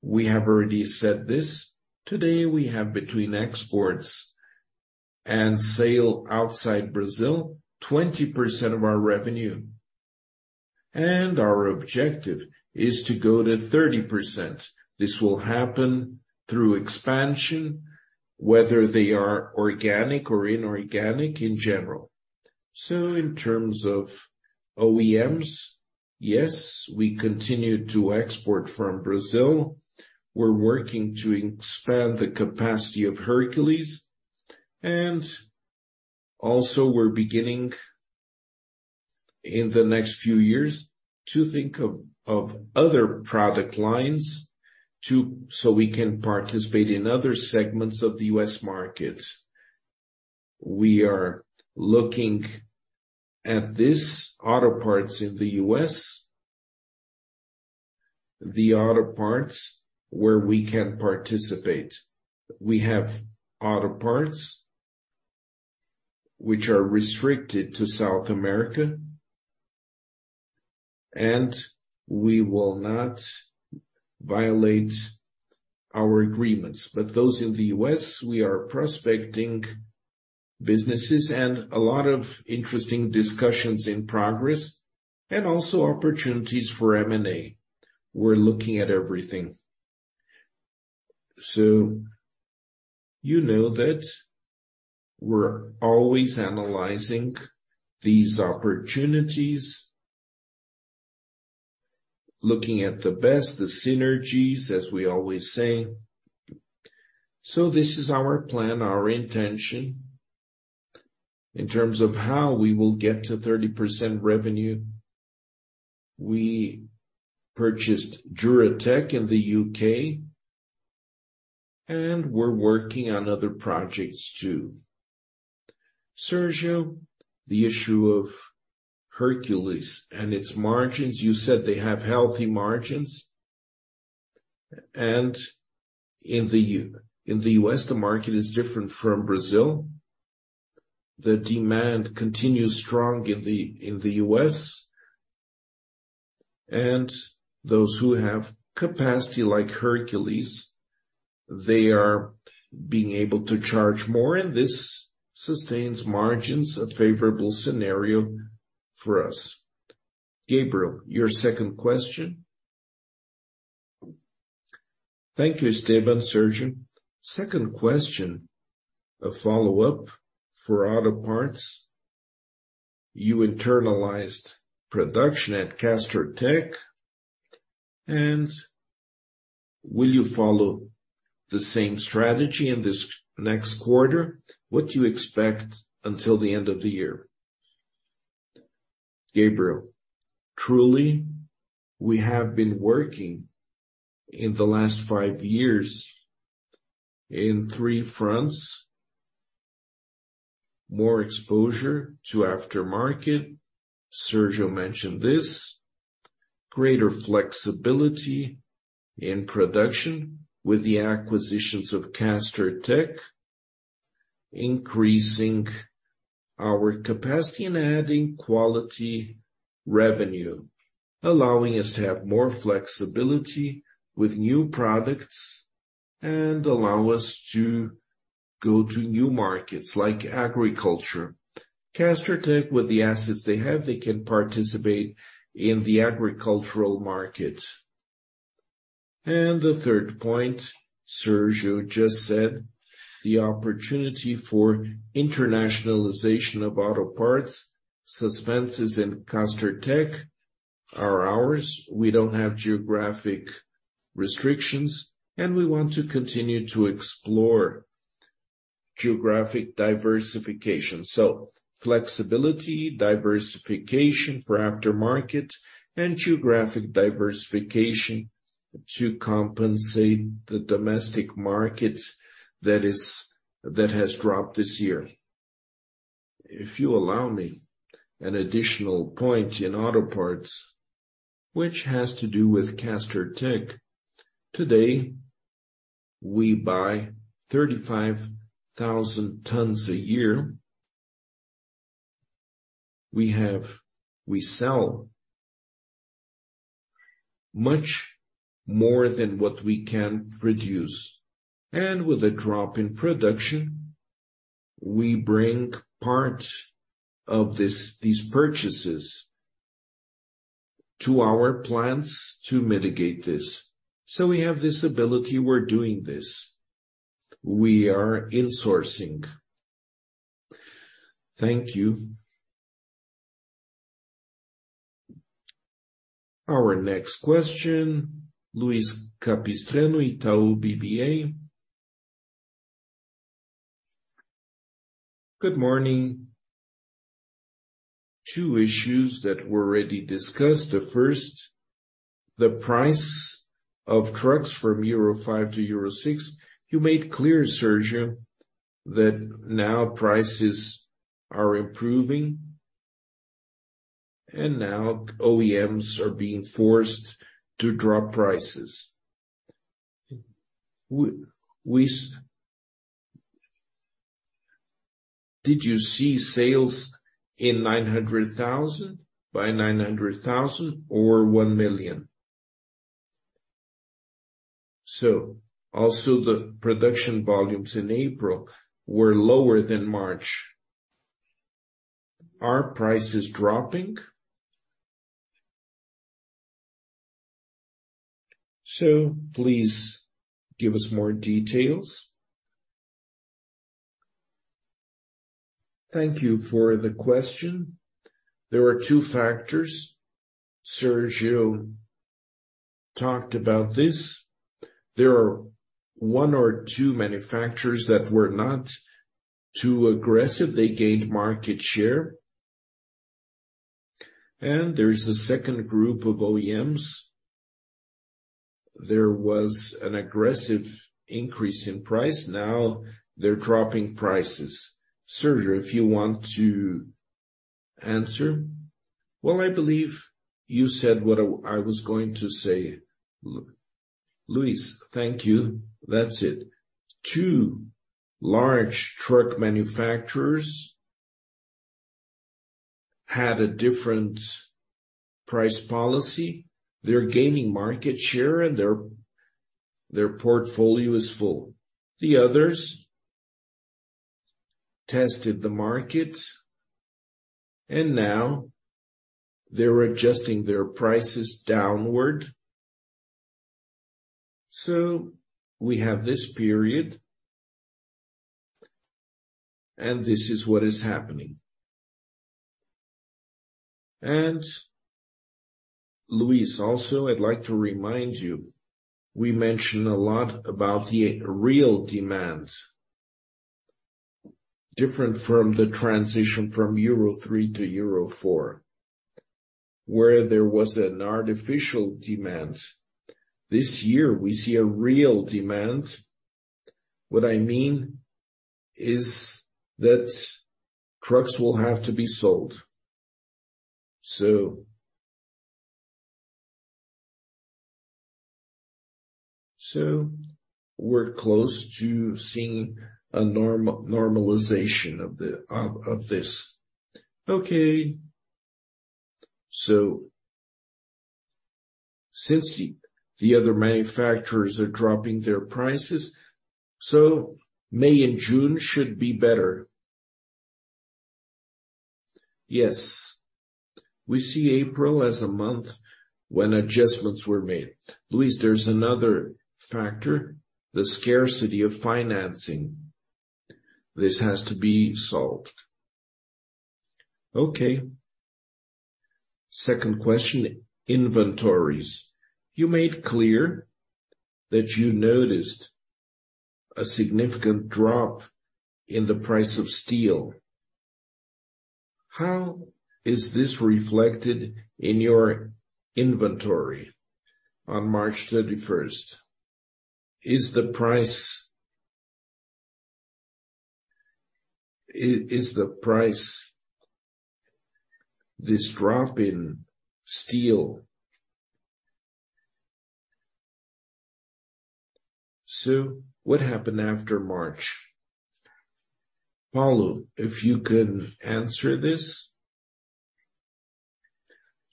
we have already said this. Today, we have between exports and sale outside Brazil, 20% of our revenue, and our objective is to go to 30%. This will happen through expansion, whether they are organic or inorganic in general. In terms of OEMs, yes, we continue to export from Brazil. We're working to expand the capacity of Hercules, and also we're beginning in the next few years to think of other product lines so we can participate in other segments of the U.S. market. We are looking at this auto parts in the U.S., the auto parts where we can participate. We have auto parts which are restricted to South America, we will not violate our agreements. Those in the U.S., we are prospecting businesses and a lot of interesting discussions in progress, and also opportunities for M&A. We're looking at everything. You know that we're always analyzing these opportunities, looking at the best, the synergies, as we always say. This is our plan, our intention. In terms of how we will get to 30% revenue, we purchased Juratek in the U.K., we're working on other projects too. Sergio, the issue of Hercules and its margins, you said they have healthy margins. In the U.S., the market is different from Brazil. The demand continues strong in the U.S. Those who have capacity like Hercules, they are being able to charge more, this sustains margins, a favorable scenario for us. Gabriel, your second question. Thank you, Esteban, Sergio. Second question, a follow-up for auto parts. You internalized production at Castertech, will you follow the same strategy in this next quarter? What do you expect until the end of the year? Gabriel, truly, we have been working in the last five years in three fronts. More exposure to aftermarket. Sergio mentioned this. Greater flexibility in production with the acquisitions of Castertech, increasing our capacity and adding quality revenue, allowing us to have more flexibility with new products and allow us to go to new markets like agriculture. Castertech, with the assets they have, they can participate in the agricultural market. The third point, Sérgio just said, the opportunity for internationalization of auto parts. Suspensys is in Castertech are ours. We don't have geographic restrictions, and we want to continue to explore geographic diversification. Flexibility, diversification for aftermarket and geographic diversification to compensate the domestic market that has dropped this year. If you allow me an additional point in auto parts, which has to do with Castertech. Today, we buy 35,000 tons a year. We sell much more than what we can produce. With a drop in production, we bring part of these purchases to our plants to mitigate this. We have this ability, we're doing this. We are insourcing. Thank you. Our next question, Lucas Marquiori, Itaú BBA. Good morning. Two issues that were already discussed. The first, the price of trucks from Euro 5 to Euro 6. You made clear, Sérgio, that now prices are improving and now OEMs are being forced to drop prices. Did you see sales in 900,000 by 900,000 or 1 million? Also the production volumes in April were lower than March. Are prices dropping? Please give us more details. Thank you for the question. There are two factors. Sérgio talked about this. There are one or two manufacturers that were not too aggressive. They gained market share. There is a second group of OEMs. There was an aggressive increase in price. They're dropping prices. Sérgio, if you want to answer. I believe you said what I was going to say. Luis, thank you. That's it. 2 large truck manufacturers had a different price policy. They're gaining market share, their portfolio is full. The others tested the market, now they're adjusting their prices downward. We have this period, this is what is happening. Luis, also, I'd like to remind you, we mentioned a lot about the real demand, different from the transition from Euro 3 to Euro 4, where there was an artificial demand. This year we see a real demand. What I mean is that trucks will have to be sold. We're close to seeing a normalization of this. Okay. Since the other manufacturers are dropping their prices, May and June should be better. Yes. We see April as a month when adjustments were made. Lucas Marquiori, there's another factor, the scarcity of financing. This has to be solved. Okay. Second question, inventories. You made clear that you noticed a significant drop in the price of steel. How is this reflected in your inventory on March 31st? Is the price, this drop in steel... What happened after March? Paulo Prignolato, if you can answer this.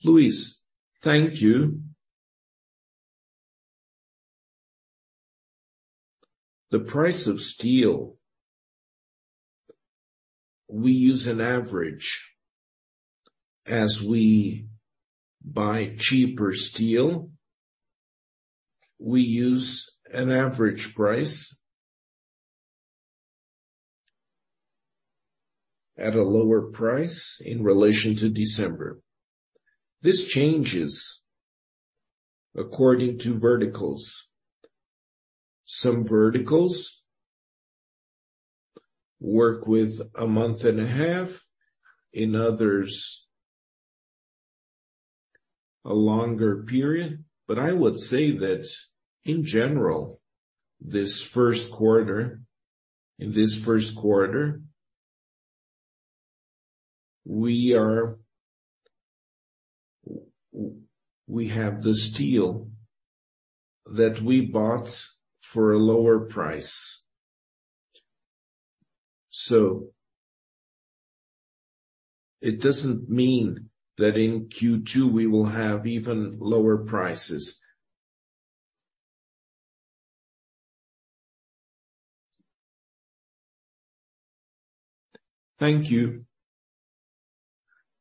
Lucas Marquiori, thank you. The price of steel, we use an average. As we buy cheaper steel, we use an average price at a lower price in relation to December. This changes according to verticals. Some verticals work with a month and a half, in others a longer period. I would say that in general, this first quarter, we have the steel that we bought for a lower price. It doesn't mean that in Q2 we will have even lower prices. Thank you.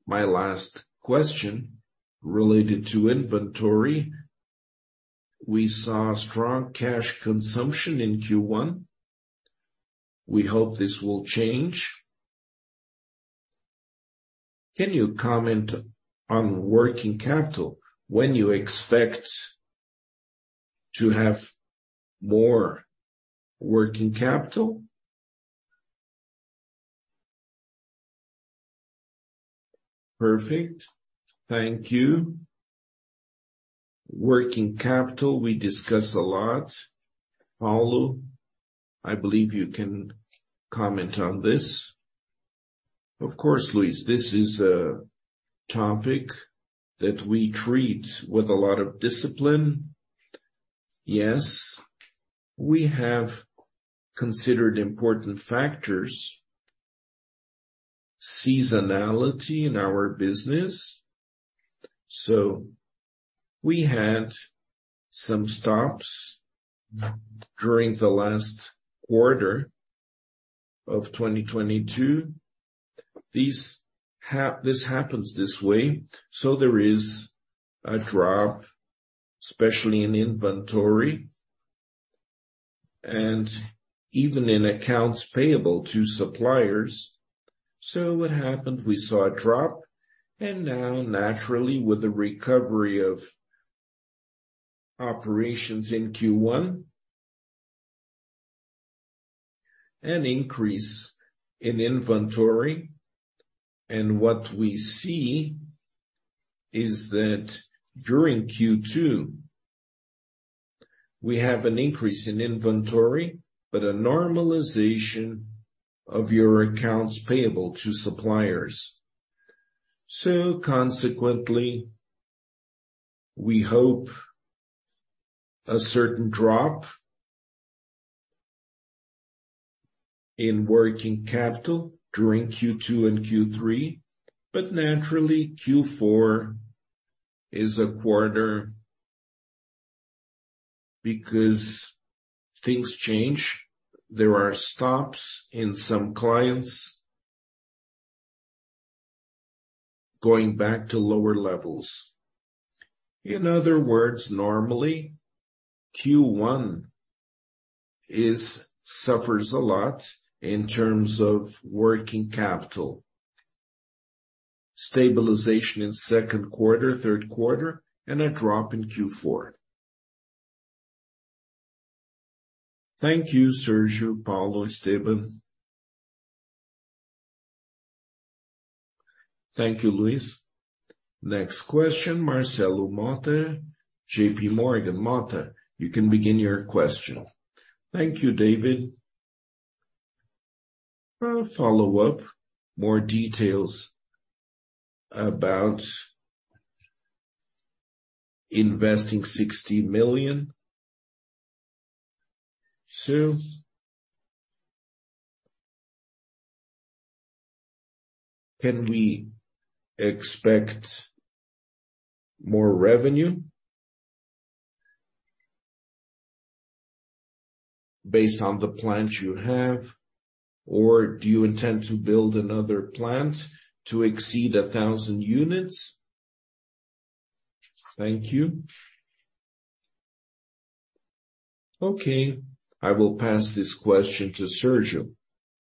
My last question related to inventory. We saw strong cash consumption in Q1. We hope this will change. Can you comment on working capital, when you expect to have more working capital? Perfect. Thank you. Working capital, we discuss a lot. Paulo, I believe you can comment on this. Of course, Luis. This is a topic that we treat with a lot of discipline. Yes, we have considered important factors, seasonality in our business. We had some stops during the last quarter of 2022. This happens this way, so there is a drop, especially in inventory and even in accounts payable to suppliers. What happened? We saw a drop. Naturally, with the recovery of operations in Q1, an increase in inventory. What we see is that during Q2, we have an increase in inventory, but a normalization of your accounts payable to suppliers. Consequently, we hope a certain drop in working capital during Q2 and Q3, but naturally, Q4 is a quarter because things change. There are stops in some clients going back to lower levels. In other words, normally Q1 suffers a lot in terms of working capital. Stabilization in second quarter, third quarter, and a drop in Q4. Thank you, Sérgio, Paulo, Esteban. Thank you, Luis. Next question, Marcelo Mota, JP Morgan. Mota, you can begin your question. Thank you, David. A follow-up, more details about investing BRL 60 million. Can we expect more revenue based on the plant you have, or do you intend to build another plant to exceed 1,000 units? Thank you. Okay, I will pass this question to Sergio.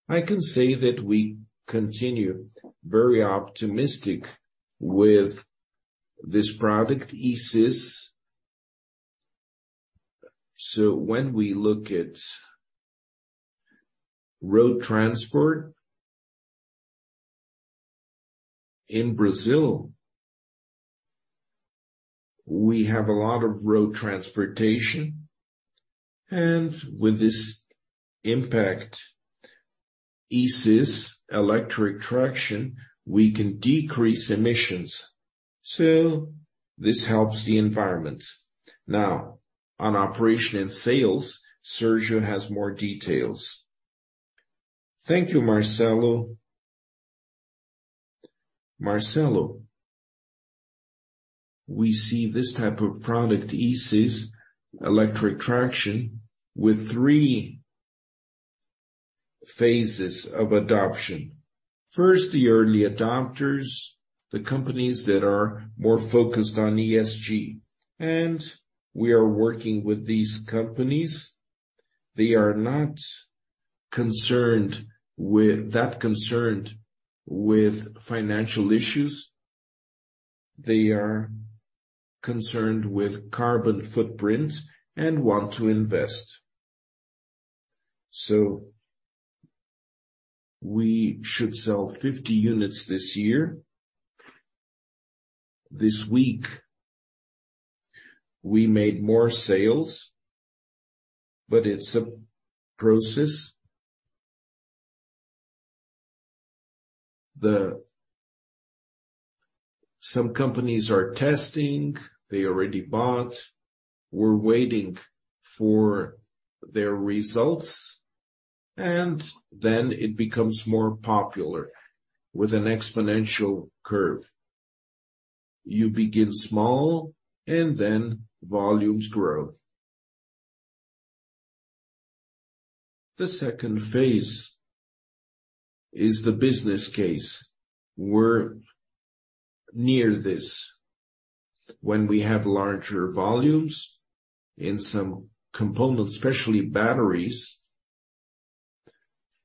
I can say that we continue very optimistic with this product, ESIS. When we look at road transport in Brazil, we have a lot of road transportation, and with this impact, ESIS, electric traction, we can decrease emissions. This helps the environment. On operation and sales, Sergio has more details. Thank you, Marcelo. Marcelo, we see this type of product, ESIS, electric traction, with three phases of adoption. First, the early adopters, the companies that are more focused on ESG. We are working with these companies. They are not concerned with financial issues. They are concerned with carbon footprint and want to invest. We should sell 50 units this year. This week, we made more sales, but it's a process. Some companies are testing, they already bought. We're waiting for their results, it becomes more popular with an exponential curve. You begin small and then volumes grow. The second phase is the business case. We're near this. When we have larger volumes in some components, especially batteries,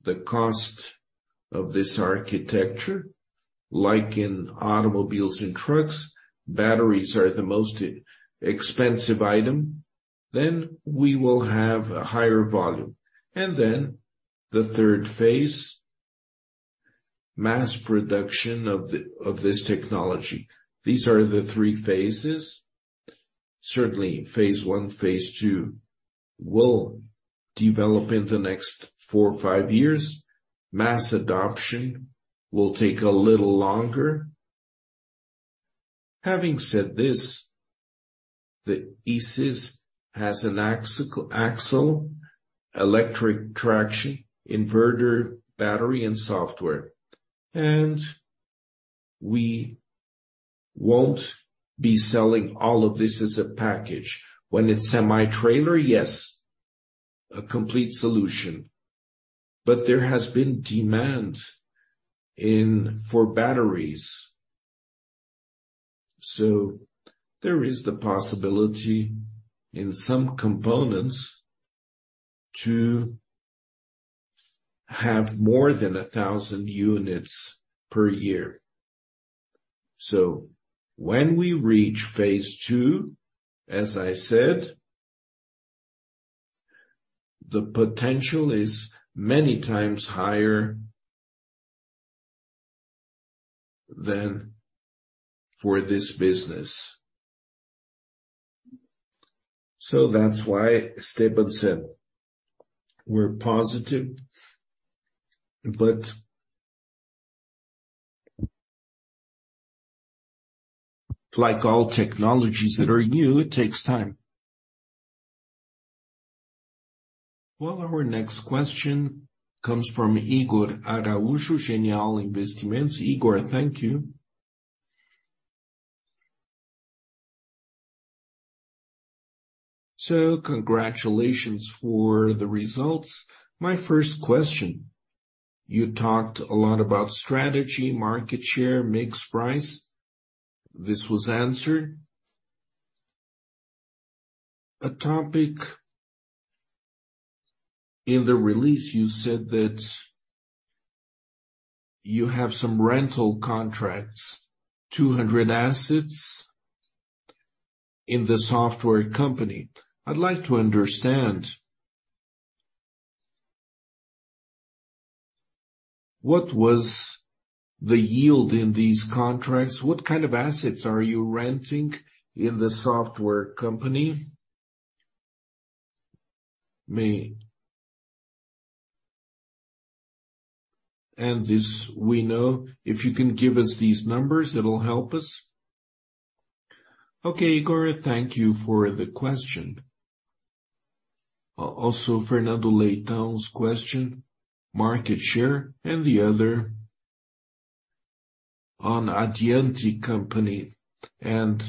the cost of this architecture, like in automobiles and trucks, batteries are the most expensive item. We will have a higher volume. The third phase, mass production of this technology. These are the 3 phases. Certainly phase 1, phase 2 will develop in the next 4 or 5 years. Mass adoption will take a little longer. Having said this, the ESIS has an axle, electric traction, inverter, battery, and software, and we won't be selling all of this as a package. When it's semi-trailer, yes, a complete solution. There has been demand for batteries. There is the possibility in some components to have more than 1,000 units per year. When we reach phase 2, as I said, the potential is many times higher than for this business. That's why Esteban said we're positive, but like all technologies that are new, it takes time. Our next question comes from Ygor Araújo, Genial Investimentos. Igor, thank you. Congratulations for the results. My first question, you talked a lot about strategy, market share, mix price. This was answered. A topic, in the release you said that you have some rental contracts, 200 assets in the software company. I'd like to understand, what was the yield in these contracts? What kind of assets are you renting in the software company? Me. This we know. If you can give us these numbers, it'll help us. Okay, Igor, thank you for the question. Fernando Leitão's question, market share and the other on Addiante company and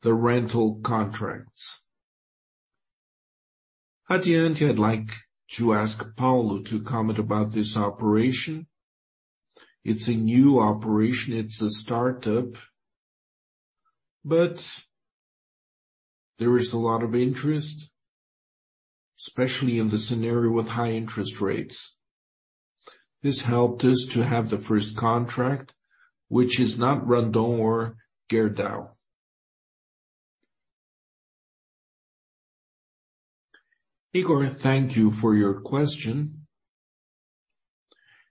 the rental contracts. Addiante, I'd like to ask Paulo to comment about this operation. It's a new operation, it's a start-up, but there is a lot of interest, especially in the scenario with high interest rates. This helped us to have the first contract, which is not Randon or Gerdau. Igor, thank you for your question.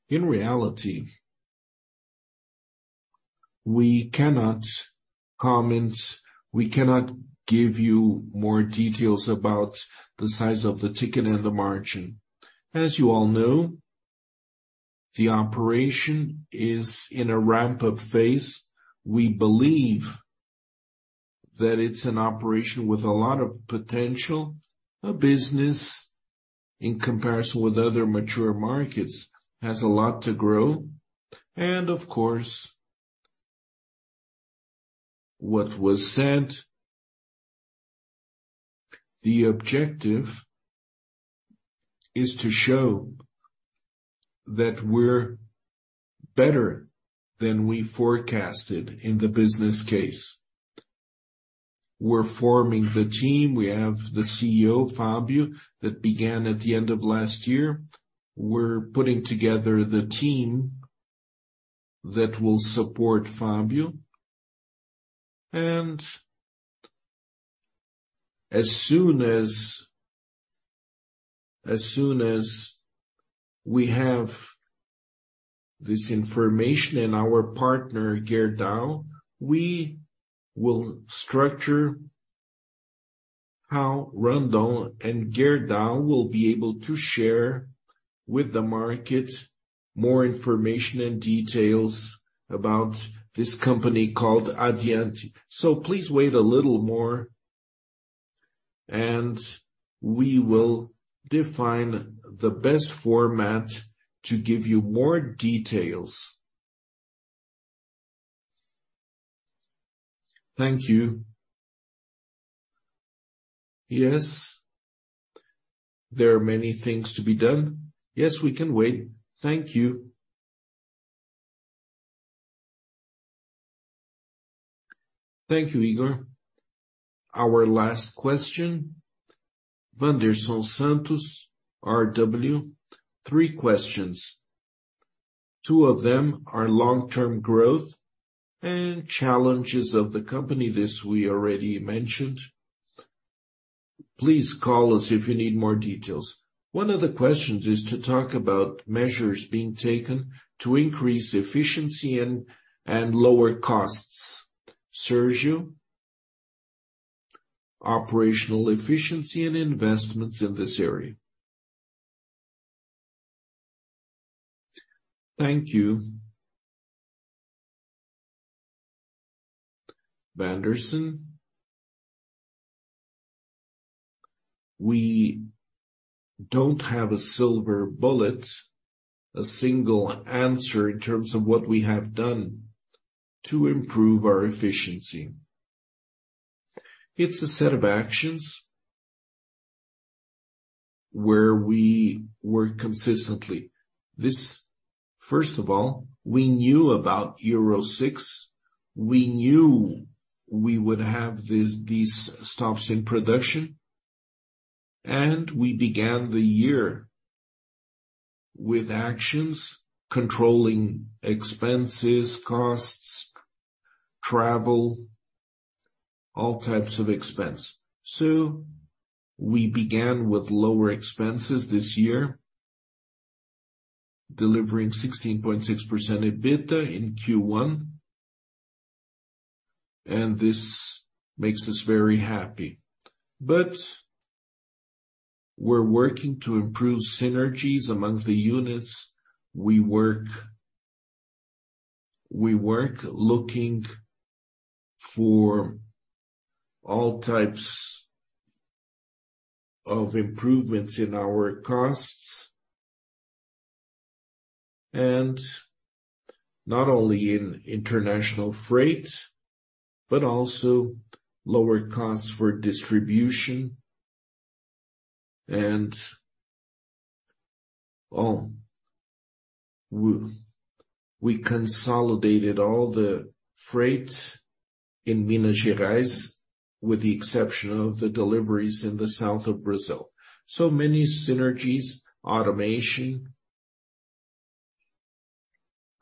In reality, we cannot give you more details about the size of the ticket and the margin. As you all know, the operation is in a ramp-up phase. We believe that it's an operation with a lot of potential. A business, in comparison with other mature markets, has a lot to grow. What was said, the objective is to show that we're better than we forecasted in the business case. We're forming the team. We have the CEO, Fabio, that began at the end of last year. We're putting together the team that will support Fabio. As soon as we have this information and our partner Gerdau, we will structure how Randon and Gerdau will be able to share with the market more information and details about this company called Addiante. Please wait a little more, and we will define the best format to give you more details. Thank you. Yes. There are many things to be done. Yes, we can wait. Thank you. Thank you, Igor. Our last question, Vanderson Santos, RW. Three questions. Two of them are long-term growth and challenges of the company. This we already mentioned. Please call us if you need more details. One of the questions is to talk about measures being taken to increase efficiency and lower costs. Sérgio, operational efficiency and investments in this area. Thank you. Vanderson, we don't have a silver bullet, a single answer in terms of what we have done to improve our efficiency. It's a set of actions where we work consistently. First of all, we knew about Euro 6, we knew we would have these stops in production, we began the year with actions, controlling expenses, costs, travel, all types of expense. We began with lower expenses this year, delivering 16.6% EBITDA in Q1, this makes us very happy. We're working to improve synergies among the units. We work looking for all types of improvements in our costs, and not only in international freight, but also lower costs for distribution. We consolidated all the freight in Minas Gerais, with the exception of the deliveries in the south of Brazil. Many synergies, automation,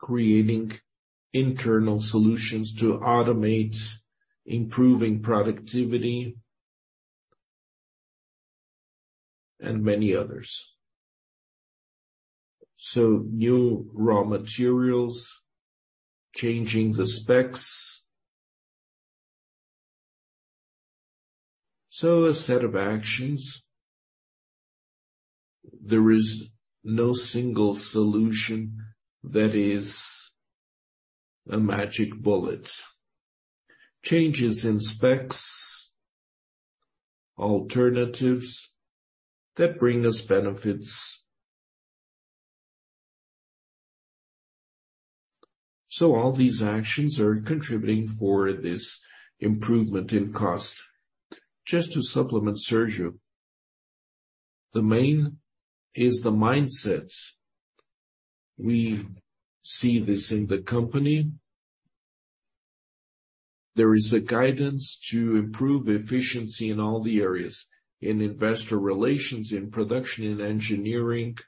creating internal solutions to automate improving productivity and many others. New raw materials, changing the specs. A set of actions. There is no single solution that is a magic bullet. Changes in specs, alternatives that bring us benefits. All these actions are contributing for this improvement in cost. Just to supplement Sérgio, the main is the mindset. We see this in the company. There is a guidance to improve efficiency in all the areas, in Investor Relations, in production, in engineering.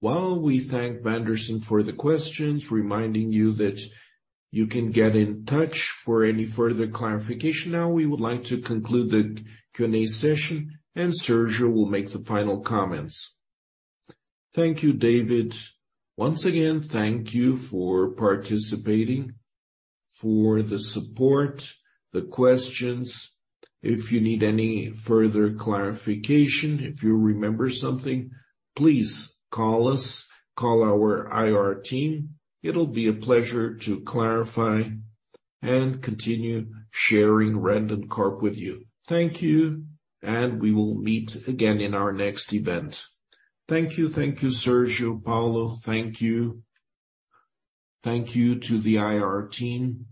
Well, we thank Vanderson for the questions, reminding you that you can get in touch for any further clarification. Now, we would like to conclude the Q&A session, and Sérgio will make the final comments. Thank you, David. Once again, thank you for participating, for the support, the questions. If you need any further clarification, if you remember something, please call us. Call our IR team. It'll be a pleasure to clarify and continue sharing Randoncorp with you. Thank you, and we will meet again in our next event. Thank you. Thank you, Sérgio Paulo. Thank you. Thank you to the IR team.